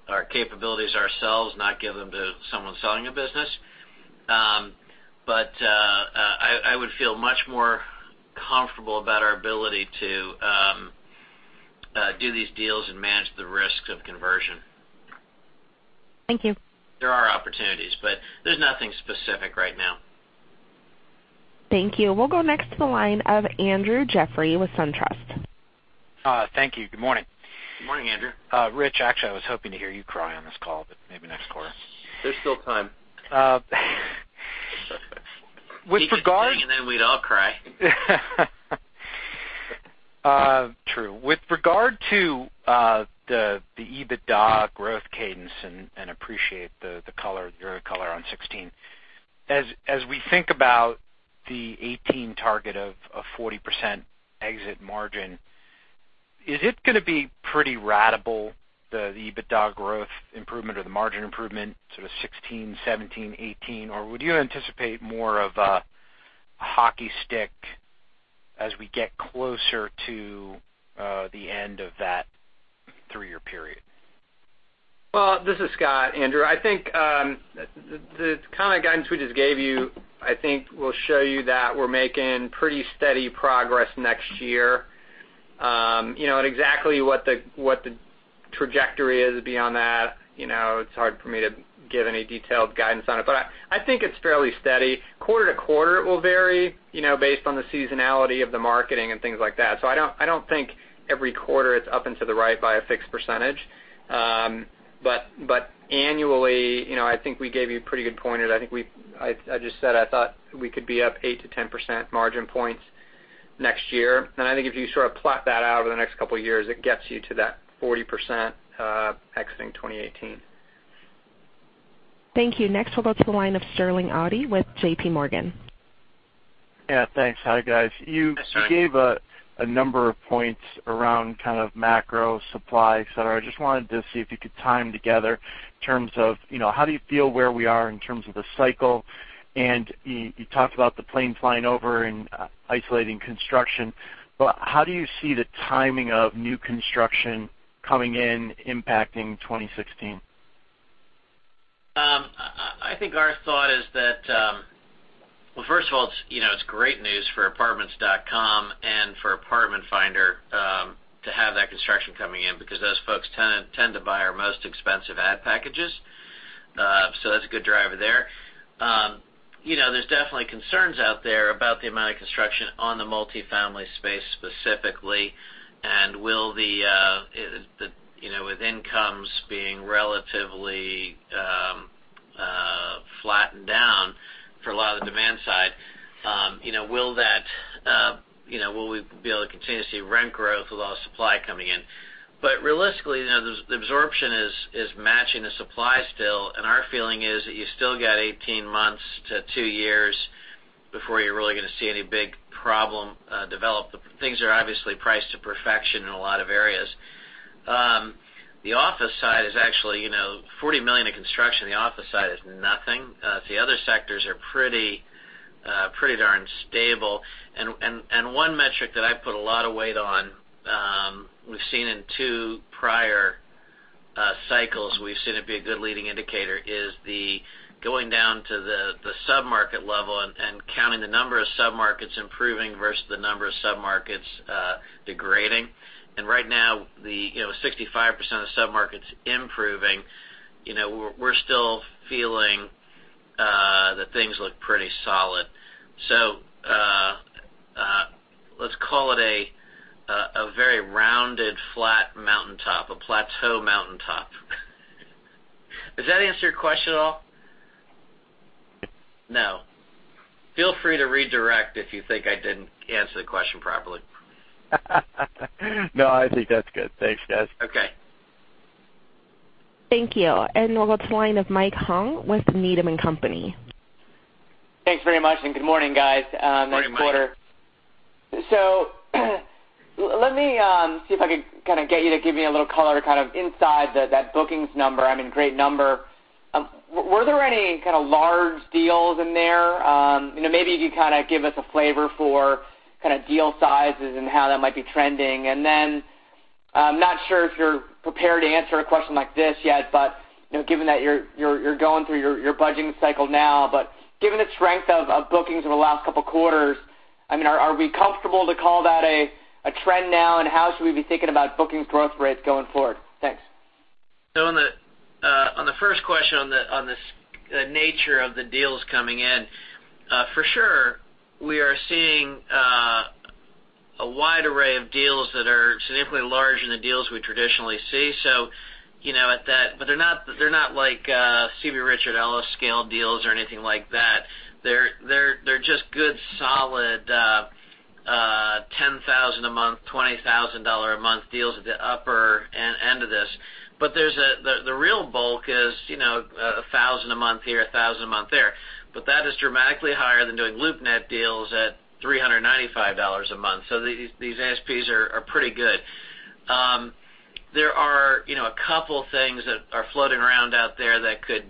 our capabilities ourselves, not give them to someone selling a business. I would feel much more comfortable about our ability to do these deals and manage the risks of conversion. Thank you. There are opportunities, but there's nothing specific right now. Thank you. We'll go next to the line of Andrew Jeffrey with SunTrust. Thank you. Good morning. Good morning, Andrew. Rich, actually, I was hoping to hear you cry on this call, but maybe next quarter. There's still time. With regard- He could ring in and we'd all cry. True. With regard to the EBITDA growth cadence, and appreciate your color on 2016. As we think about the 2018 target of 40% exit margin, is it going to be pretty ratable, the EBITDA growth improvement or the margin improvement, sort of 2016, 2017, 2018, or would you anticipate more of a hockey stick as we get closer to the end of that three-year period? Well, this is Scott, Andrew. I think the kind of guidance we just gave you, I think, will show you that we're making pretty steady progress next year. Exactly what the trajectory is beyond that, it's hard for me to give any detailed guidance on it. I think it's fairly steady. Quarter to quarter, it will vary based on the seasonality of the marketing and things like that. I don't think every quarter it's up and to the right by a fixed percentage. Annually, I think we gave you a pretty good pointer. I just said I thought we could be up 8 to 10% margin points next year. I think if you sort of plot that out over the next couple of years, it gets you to that 40% exiting 2018. Thank you. Next, we'll go to the line of Sterling Auty with JPMorgan. Thanks. Hi, guys. Yes, sir. You gave a number of points around kind of macro supply, et cetera. I just wanted to see if you could tie them together in terms of how do you feel where we are in terms of the cycle? You talked about the planes flying over and isolating construction, how do you see the timing of new construction coming in impacting 2016? I think our thought is that, well, first of all, it's great news for apartments.com and for Apartment Finder to have that construction coming in because those folks tend to buy our most expensive ad packages. That's a good driver there. There's definitely concerns out there about the amount of construction on the multifamily space specifically, and with incomes being relatively flattened down for a lot of the demand side, will we be able to continue to see rent growth with a lot of supply coming in? Realistically, the absorption is matching the supply still, our feeling is that you still got 18 months to two years before you're really going to see any big problem develop. Things are obviously priced to perfection in a lot of areas. The office side is actually $40 million in construction. The office side is nothing. The other sectors are pretty darn stable. One metric that I put a lot of weight on, we've seen in two prior cycles, we've seen it be a good leading indicator, is the going down to the sub-market level and counting the number of sub-markets improving versus the number of sub-markets degrading. Right now, 65% of sub-markets improving. We're still feeling that things look pretty solid. Let's call it a very rounded flat mountaintop, a plateau mountaintop. Does that answer your question at all? No. Feel free to redirect if you think I didn't answer the question properly. No, I think that's good. Thanks, guys. Okay. Thank you. We'll go to the line of Mike Hong with Needham & Company. Thanks very much. Good morning, guys. Good morning, Mike. Nice quarter. Let me see if I could kind of get you to give me a little color kind of inside that bookings number. I mean, great number. Were there any kind of large deals in there? Maybe you could kind of give us a flavor for kind of deal sizes and how that might be trending. Then, I'm not sure if you're prepared to answer a question like this yet, but given that you're going through your budgeting cycle now, given the strength of bookings over the last couple of quarters, are we comfortable to call that a trend now? How should we be thinking about bookings growth rates going forward? Thanks. On the first question on the nature of the deals coming in, for sure, we are seeing a wide array of deals that are significantly larger than the deals we traditionally see. They're not like CB Richard Ellis scale deals or anything like that. They're just good, solid $10,000 a month, $20,000 a month deals at the upper end of this. The real bulk is $1,000 a month here, $1,000 a month there. That is dramatically higher than doing LoopNet deals at $395 a month. These ASPs are pretty good. There are a couple of things that are floating around out there that could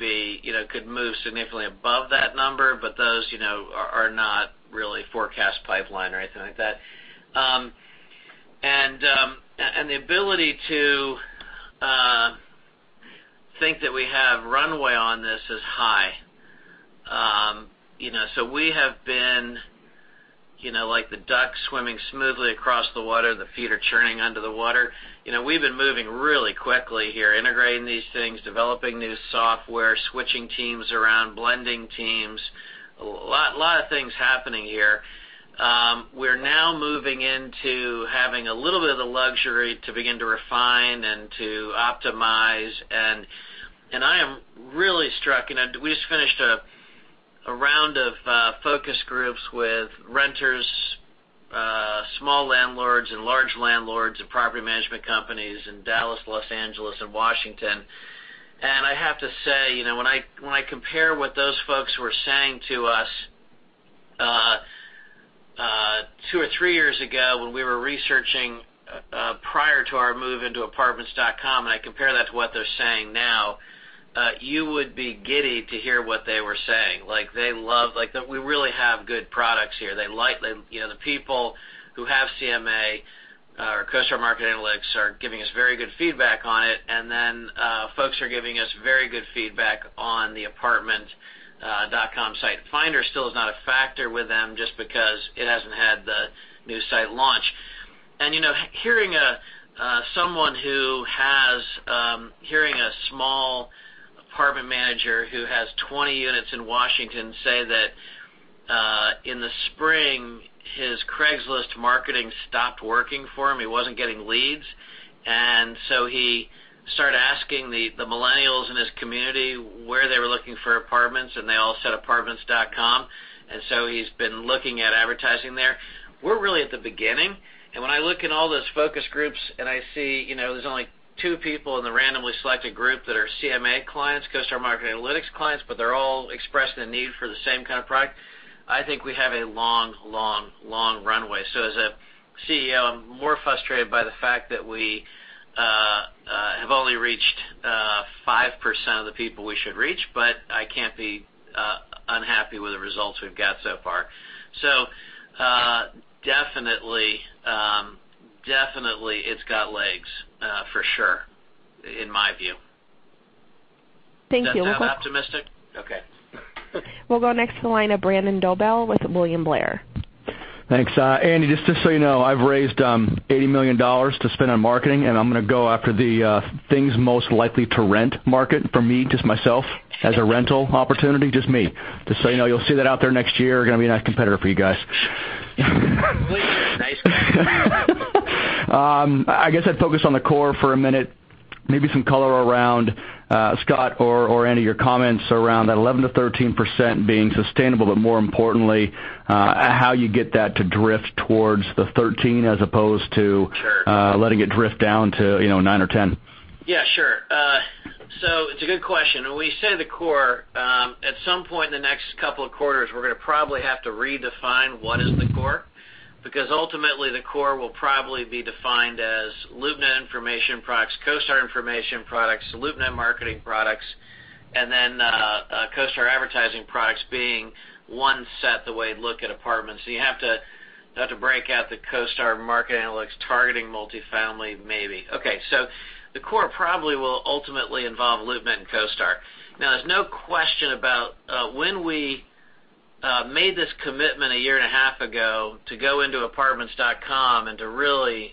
move significantly above that number, but those are not really forecast pipeline or anything like that. The ability to think that we have runway on this is high. We have been like the duck swimming smoothly across the water, the feet are churning under the water. We've been moving really quickly here, integrating these things, developing new software, switching teams around, blending teams, a lot of things happening here. We're now moving into having a little bit of the luxury to begin to refine and to optimize, and I am really struck. We just finished a round of focus groups with renters, small landlords and large landlords and property management companies in Dallas, Los Angeles, and Washington. I have to say, when I compare what those folks were saying to us two or three years ago when we were researching prior to our move into Apartments.com, and I compare that to what they're saying now, you would be giddy to hear what they were saying. We really have good products here. The people who have CMA or CoStar Market Analytics are giving us very good feedback on it. Folks are giving us very good feedback on the Apartments.com site. Finder still is not a factor with them just because it hasn't had the new site launch. Hearing a small apartment manager who has 20 units in Washington say that in the spring, his Craigslist marketing stopped working for him, he wasn't getting leads. He started asking the millennials in his community where they were looking for apartments, and they all said Apartments.com. He's been looking at advertising there. We're really at the beginning. When I look in all those focus groups and I see there's only two people in the randomly selected group that are CMA clients, CoStar Market Analytics clients, they're all expressing a need for the same kind of product, I think we have a long runway. As a CEO, I'm more frustrated by the fact that we have only reached 5% of the people we should reach, I can't be unhappy with the results we've got so far. Definitely it's got legs for sure, in my view. Thank you. Does that sound optimistic? Okay. We'll go next to the line of Brandon Dobell with William Blair. Thanks. Andy, just so you know, I've raised $80 million to spend on marketing, and I'm going to go after the things most likely to rent market for me, just myself, as a rental opportunity. Just me. Just so you know, you'll see that out there next year, going to be a nice competitor for you guys. Nice competitor. I guess I'd focus on the core for a minute, maybe some color around, Scott or Andy, your comments around that 11%-13% being sustainable, but more importantly, how you get that to drift towards the 13% as opposed to. Sure letting it drift down to nine or 10. Yeah, sure. It's a good question. When we say the core, at some point in the next couple of quarters, we're going to probably have to redefine what is the core, because ultimately, the core will probably be defined as LoopNet information products, CoStar information products, LoopNet marketing products, and then CoStar advertising products being one set the way to look at apartments. You have to break out the CoStar Market Analytics targeting multifamily, maybe. Okay, the core probably will ultimately involve LoopNet and CoStar. There's no question about when we made this commitment a year and a half ago to go into apartments.com and to really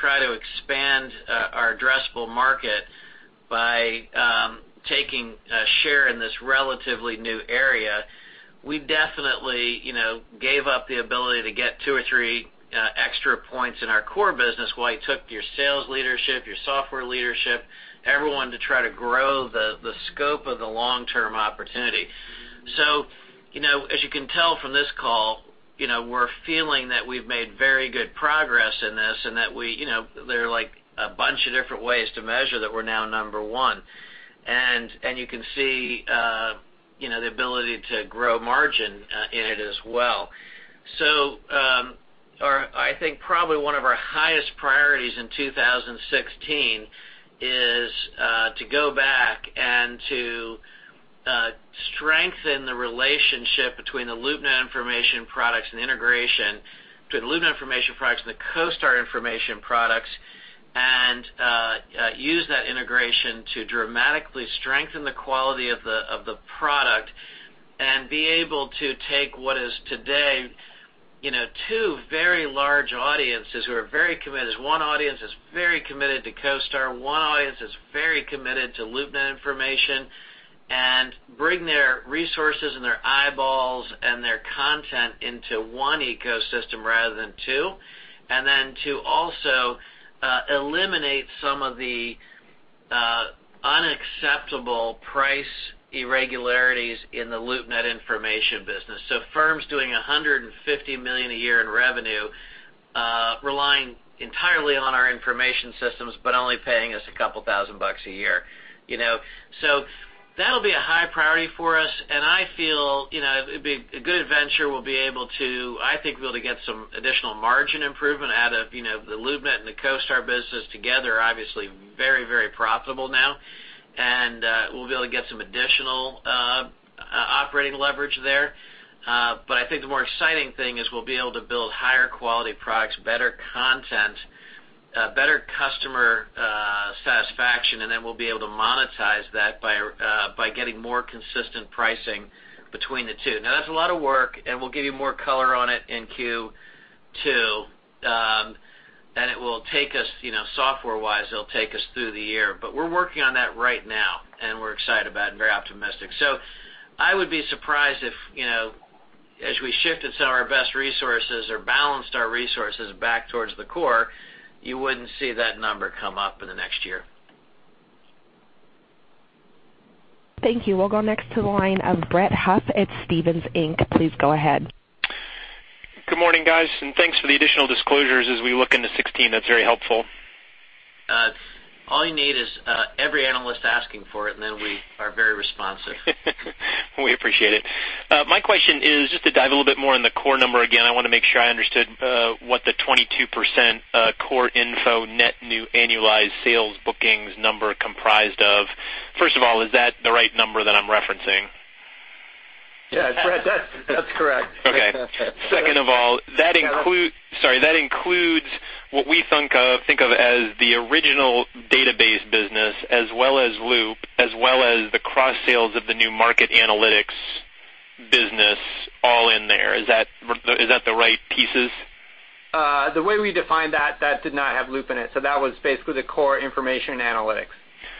try to expand our addressable market by taking a share in this relatively new area. We definitely gave up the ability to get two or three extra points in our core business while it took your sales leadership, your software leadership, everyone to try to grow the scope of the long-term opportunity. As you can tell from this call, we're feeling that we've made very good progress in this, and there are a bunch of different ways to measure that we're now number one. You can see the ability to grow margin in it as well. I think probably one of our highest priorities in 2016 is to go back and to strengthen the relationship between the LoopNet information products and the CoStar information products, and use that integration to dramatically strengthen the quality of the product, and be able to take what is today two very large audiences who are very committed. One audience is very committed to CoStar, one audience is very committed to LoopNet information, and bring their resources and their eyeballs and their content into one ecosystem rather than two, and then to also eliminate some of the unacceptable price irregularities in the LoopNet information business. Firms doing $150 million a year in revenue relying entirely on our information systems, but only paying us a couple thousand dollars a year. That'll be a high priority for us, and I feel, it'd be a good venture. I think we'll be able to get some additional margin improvement out of the LoopNet and the CoStar business together, obviously very profitable now. We'll be able to get some additional operating leverage there. I think the more exciting thing is we'll be able to build higher quality products, better content, better customer satisfaction, and then we'll be able to monetize that by getting more consistent pricing between the two. Now, that's a lot of work, and we'll give you more color on it in Q2. Software-wise, it'll take us through the year. We're working on that right now, and we're excited about it and very optimistic. I would be surprised if, as we shifted some of our best resources or balanced our resources back towards the core, you wouldn't see that number come up in the next year. Thank you. We'll go next to the line of Brett Huff at Stephens Inc. Please go ahead. Good morning, guys. Thanks for the additional disclosures as we look into 2016. That's very helpful. All you need is every analyst asking for it, then we are very responsive. We appreciate it. My question is just to dive a little bit more on the core number again. I want to make sure I understood what the 22% core info net new annualized sales bookings number comprised of. First of all, is that the right number that I'm referencing? Yeah, Brett, that's correct. Okay. Second of all, that includes what we think of as the original database business, as well as Loop, as well as the cross sales of the new market analytics business all in there. Is that the right pieces? The way we define that did not have Loop in it. That was basically the core information analytics.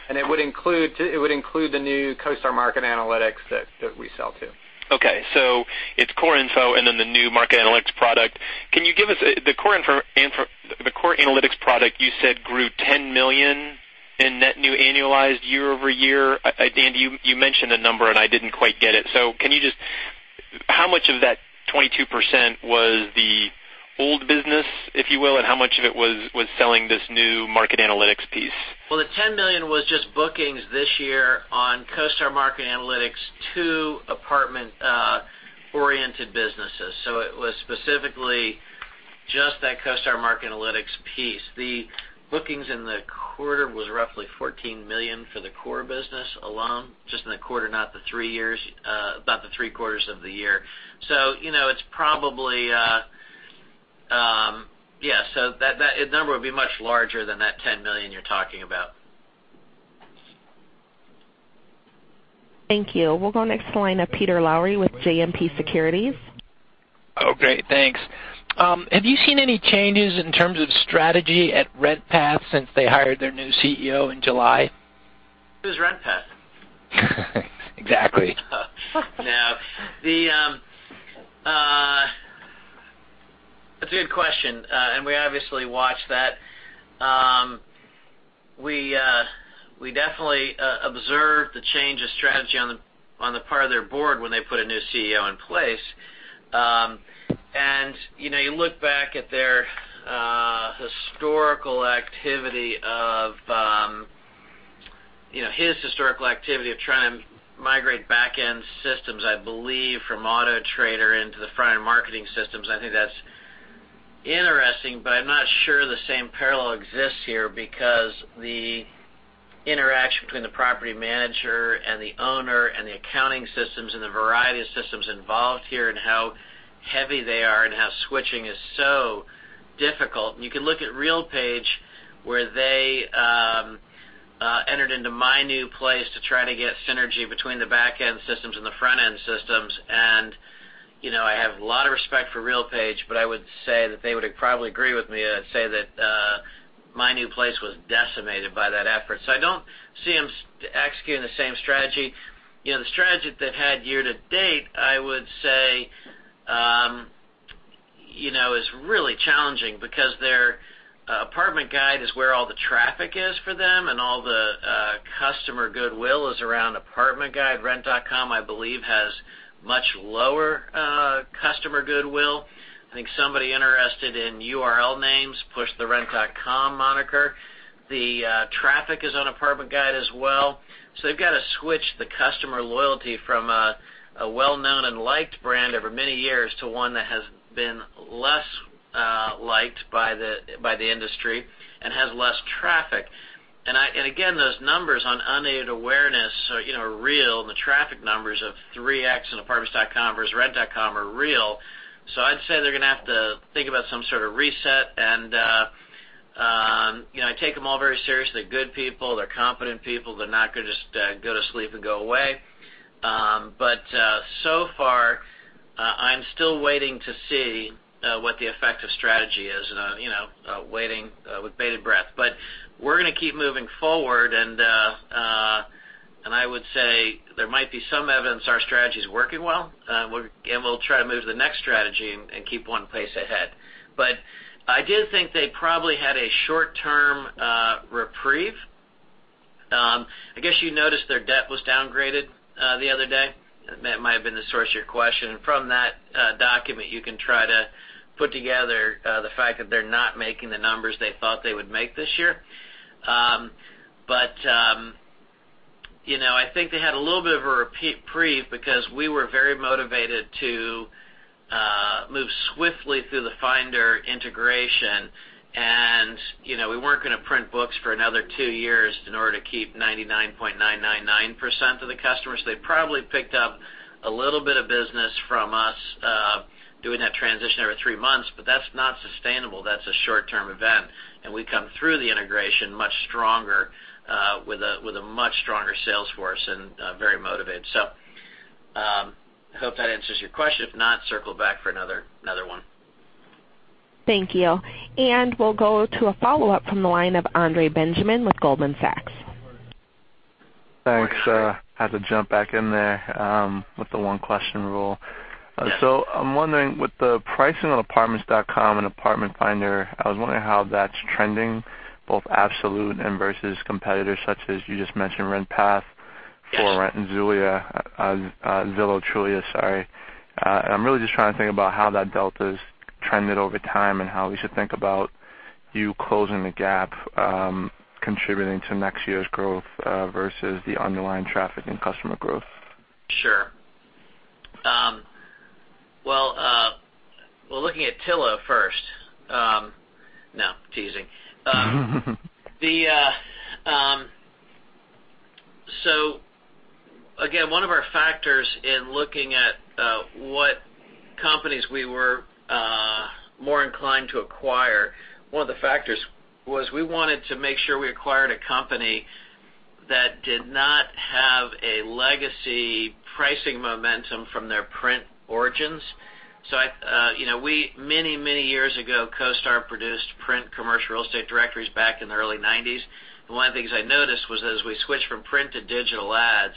It would include the new CoStar Market Analytics that we sell too. Okay. It's core info and then the new market analytics product. The core analytics product you said grew $10 million. In net new annualized year-over-year, Andy, you mentioned a number, and I didn't quite get it. How much of that 22% was the old business, if you will, and how much of it was selling this new market analytics piece? The $10 million was just bookings this year on CoStar Market Analytics, two apartment-oriented businesses. It was specifically just that CoStar Market Analytics piece. The bookings in the quarter was roughly $14 million for the core business alone, just in the quarter, not the three years, about the three quarters of the year. The number would be much larger than that $10 million you're talking about. Thank you. We'll go next to the line of Peter Lowry with JMP Securities. Great. Thanks. Have you seen any changes in terms of strategy at RentPath since they hired their new CEO in July? Who's RentPath? Exactly. No. That's a good question. We obviously watch that. We definitely observed the change of strategy on the part of their board when they put a new CEO in place. You look back at his historical activity of trying to migrate back-end systems, I believe, from AutoTrader into the front-end marketing systems. I think that's interesting. I'm not sure the same parallel exists here, because the interaction between the property manager and the owner and the accounting systems and the variety of systems involved here and how heavy they are and how switching is so difficult. You can look at RealPage, where they entered into MyNewPlace.com to try to get synergy between the back-end systems and the front-end systems. I have a lot of respect for RealPage. I would say that they would probably agree with me say that MyNewPlace.com was decimated by that effort. I don't see them executing the same strategy. The strategy they've had year to date, I would say, is really challenging because their Apartment Guide is where all the traffic is for them and all the customer goodwill is around Apartment Guide. Rent.com, I believe, has much lower customer goodwill. I think somebody interested in URL names pushed the Rent.com moniker. The traffic is on Apartment Guide as well. They've got to switch the customer loyalty from a well-known and liked brand over many years to one that has been less liked by the industry and has less traffic. Again, those numbers on unaided awareness are real, and the traffic numbers of 3x on Apartments.com versus Rent.com are real. I'd say they're going to have to think about some sort of reset. I take them all very seriously. They're good people. They're competent people. They're not going to just go to sleep and go away. So far, I'm still waiting to see what the effect of strategy is, waiting with bated breath. We're going to keep moving forward. I would say there might be some evidence our strategy is working well. We'll try to move to the next strategy and keep one pace ahead. I do think they probably had a short-term reprieve. I guess you noticed their debt was downgraded the other day. That might have been the source of your question. From that document, you can try to put together the fact that they're not making the numbers they thought they would make this year. I think they had a little bit of a reprieve because we were very motivated to move swiftly through the Finder integration. We weren't going to print books for another two years in order to keep 99.999% of the customers. They probably picked up a little bit of business from us doing that transition every three months. That's not sustainable. That's a short-term event. We come through the integration much stronger, with a much stronger sales force and very motivated. I hope that answers your question. If not, circle back for another one. Thank you. We'll go to a follow-up from the line of Andre Benjamin with Goldman Sachs. Thanks. Had to jump back in there with the one-question rule. Yes. I'm wondering, with the pricing on Apartments.com and Apartment Finder, I was wondering how that's trending, both absolute and versus competitors such as you just mentioned, RentPath, ForRent.com and Zillow Group. I'm really just trying to think about how that delta's trended over time and how we should think about you closing the gap, contributing to next year's growth versus the underlying traffic and customer growth. Sure. Well, looking at Trulia first No, teasing. Again, one of our factors in looking at what companies we were more inclined to acquire, one of the factors was we wanted to make sure we acquired a company that did not have a legacy pricing momentum from their print origins. Many, many years ago, CoStar produced print commercial real estate directories back in the early '90s. One of the things I noticed was as we switched from print to digital ads,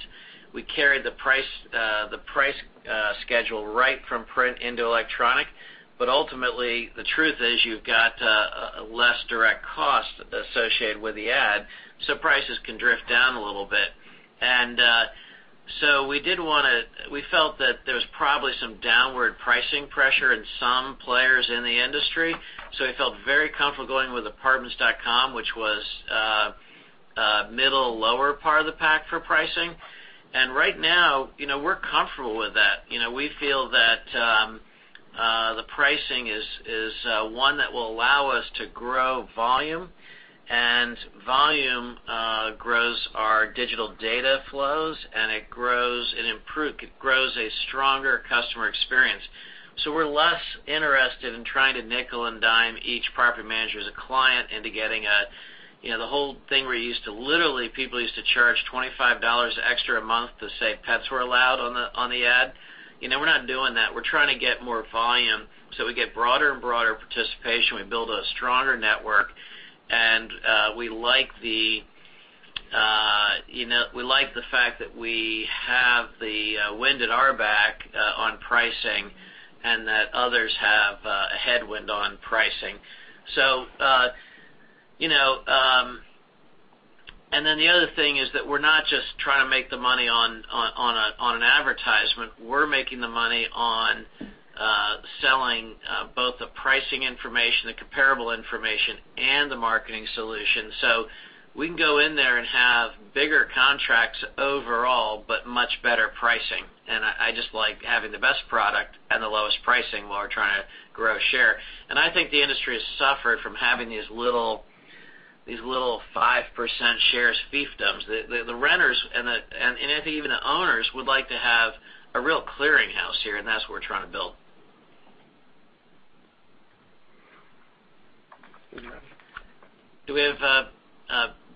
we carried the price schedule right from print into electronic. Ultimately, the truth is you've got a less direct cost associated with the ad, so prices can drift down a little bit. We felt that there was probably some downward pricing pressure in some players in the industry. We felt very comfortable going with apartments.com, which was middle lower part of the pack for pricing. Right now, we're comfortable with that. We feel that the pricing is one that will allow us to grow volume, and volume grows our digital data flows, and it grows a stronger customer experience. We're less interested in trying to nickel and dime each property manager as a client into getting the whole thing where literally people used to charge $25 extra a month to say pets were allowed on the ad. We're not doing that. We're trying to get more volume, so we get broader and broader participation. We build a stronger network. We like the fact that we have the wind at our back on pricing and that others have a headwind on pricing. The other thing is that we're not just trying to make the money on an advertisement. We're making the money on selling both the pricing information, the comparable information, and the marketing solution. We can go in there and have bigger contracts overall, but much better pricing. I just like having the best product and the lowest pricing while we're trying to grow share. I think the industry has suffered from having these little 5% shares fiefdoms. The renters and even the owners would like to have a real clearinghouse here, and that's what we're trying to build.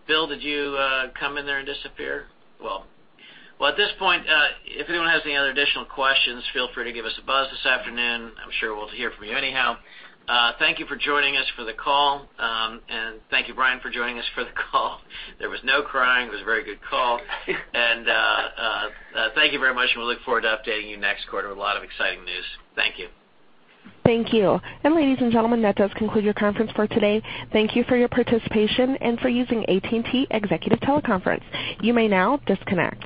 Bill, did you come in there and disappear? Well, at this point, if anyone has any other additional questions, feel free to give us a buzz this afternoon. I'm sure we'll hear from you anyhow. Thank you for joining us for the call. Thank you, Brian, for joining us for the call. There was no crying. It was a very good call. Thank you very much, and we look forward to updating you next quarter with a lot of exciting news. Thank you. Thank you. Ladies and gentlemen, that does conclude your conference for today. Thank you for your participation and for using AT&T Executive Teleconference. You may now disconnect.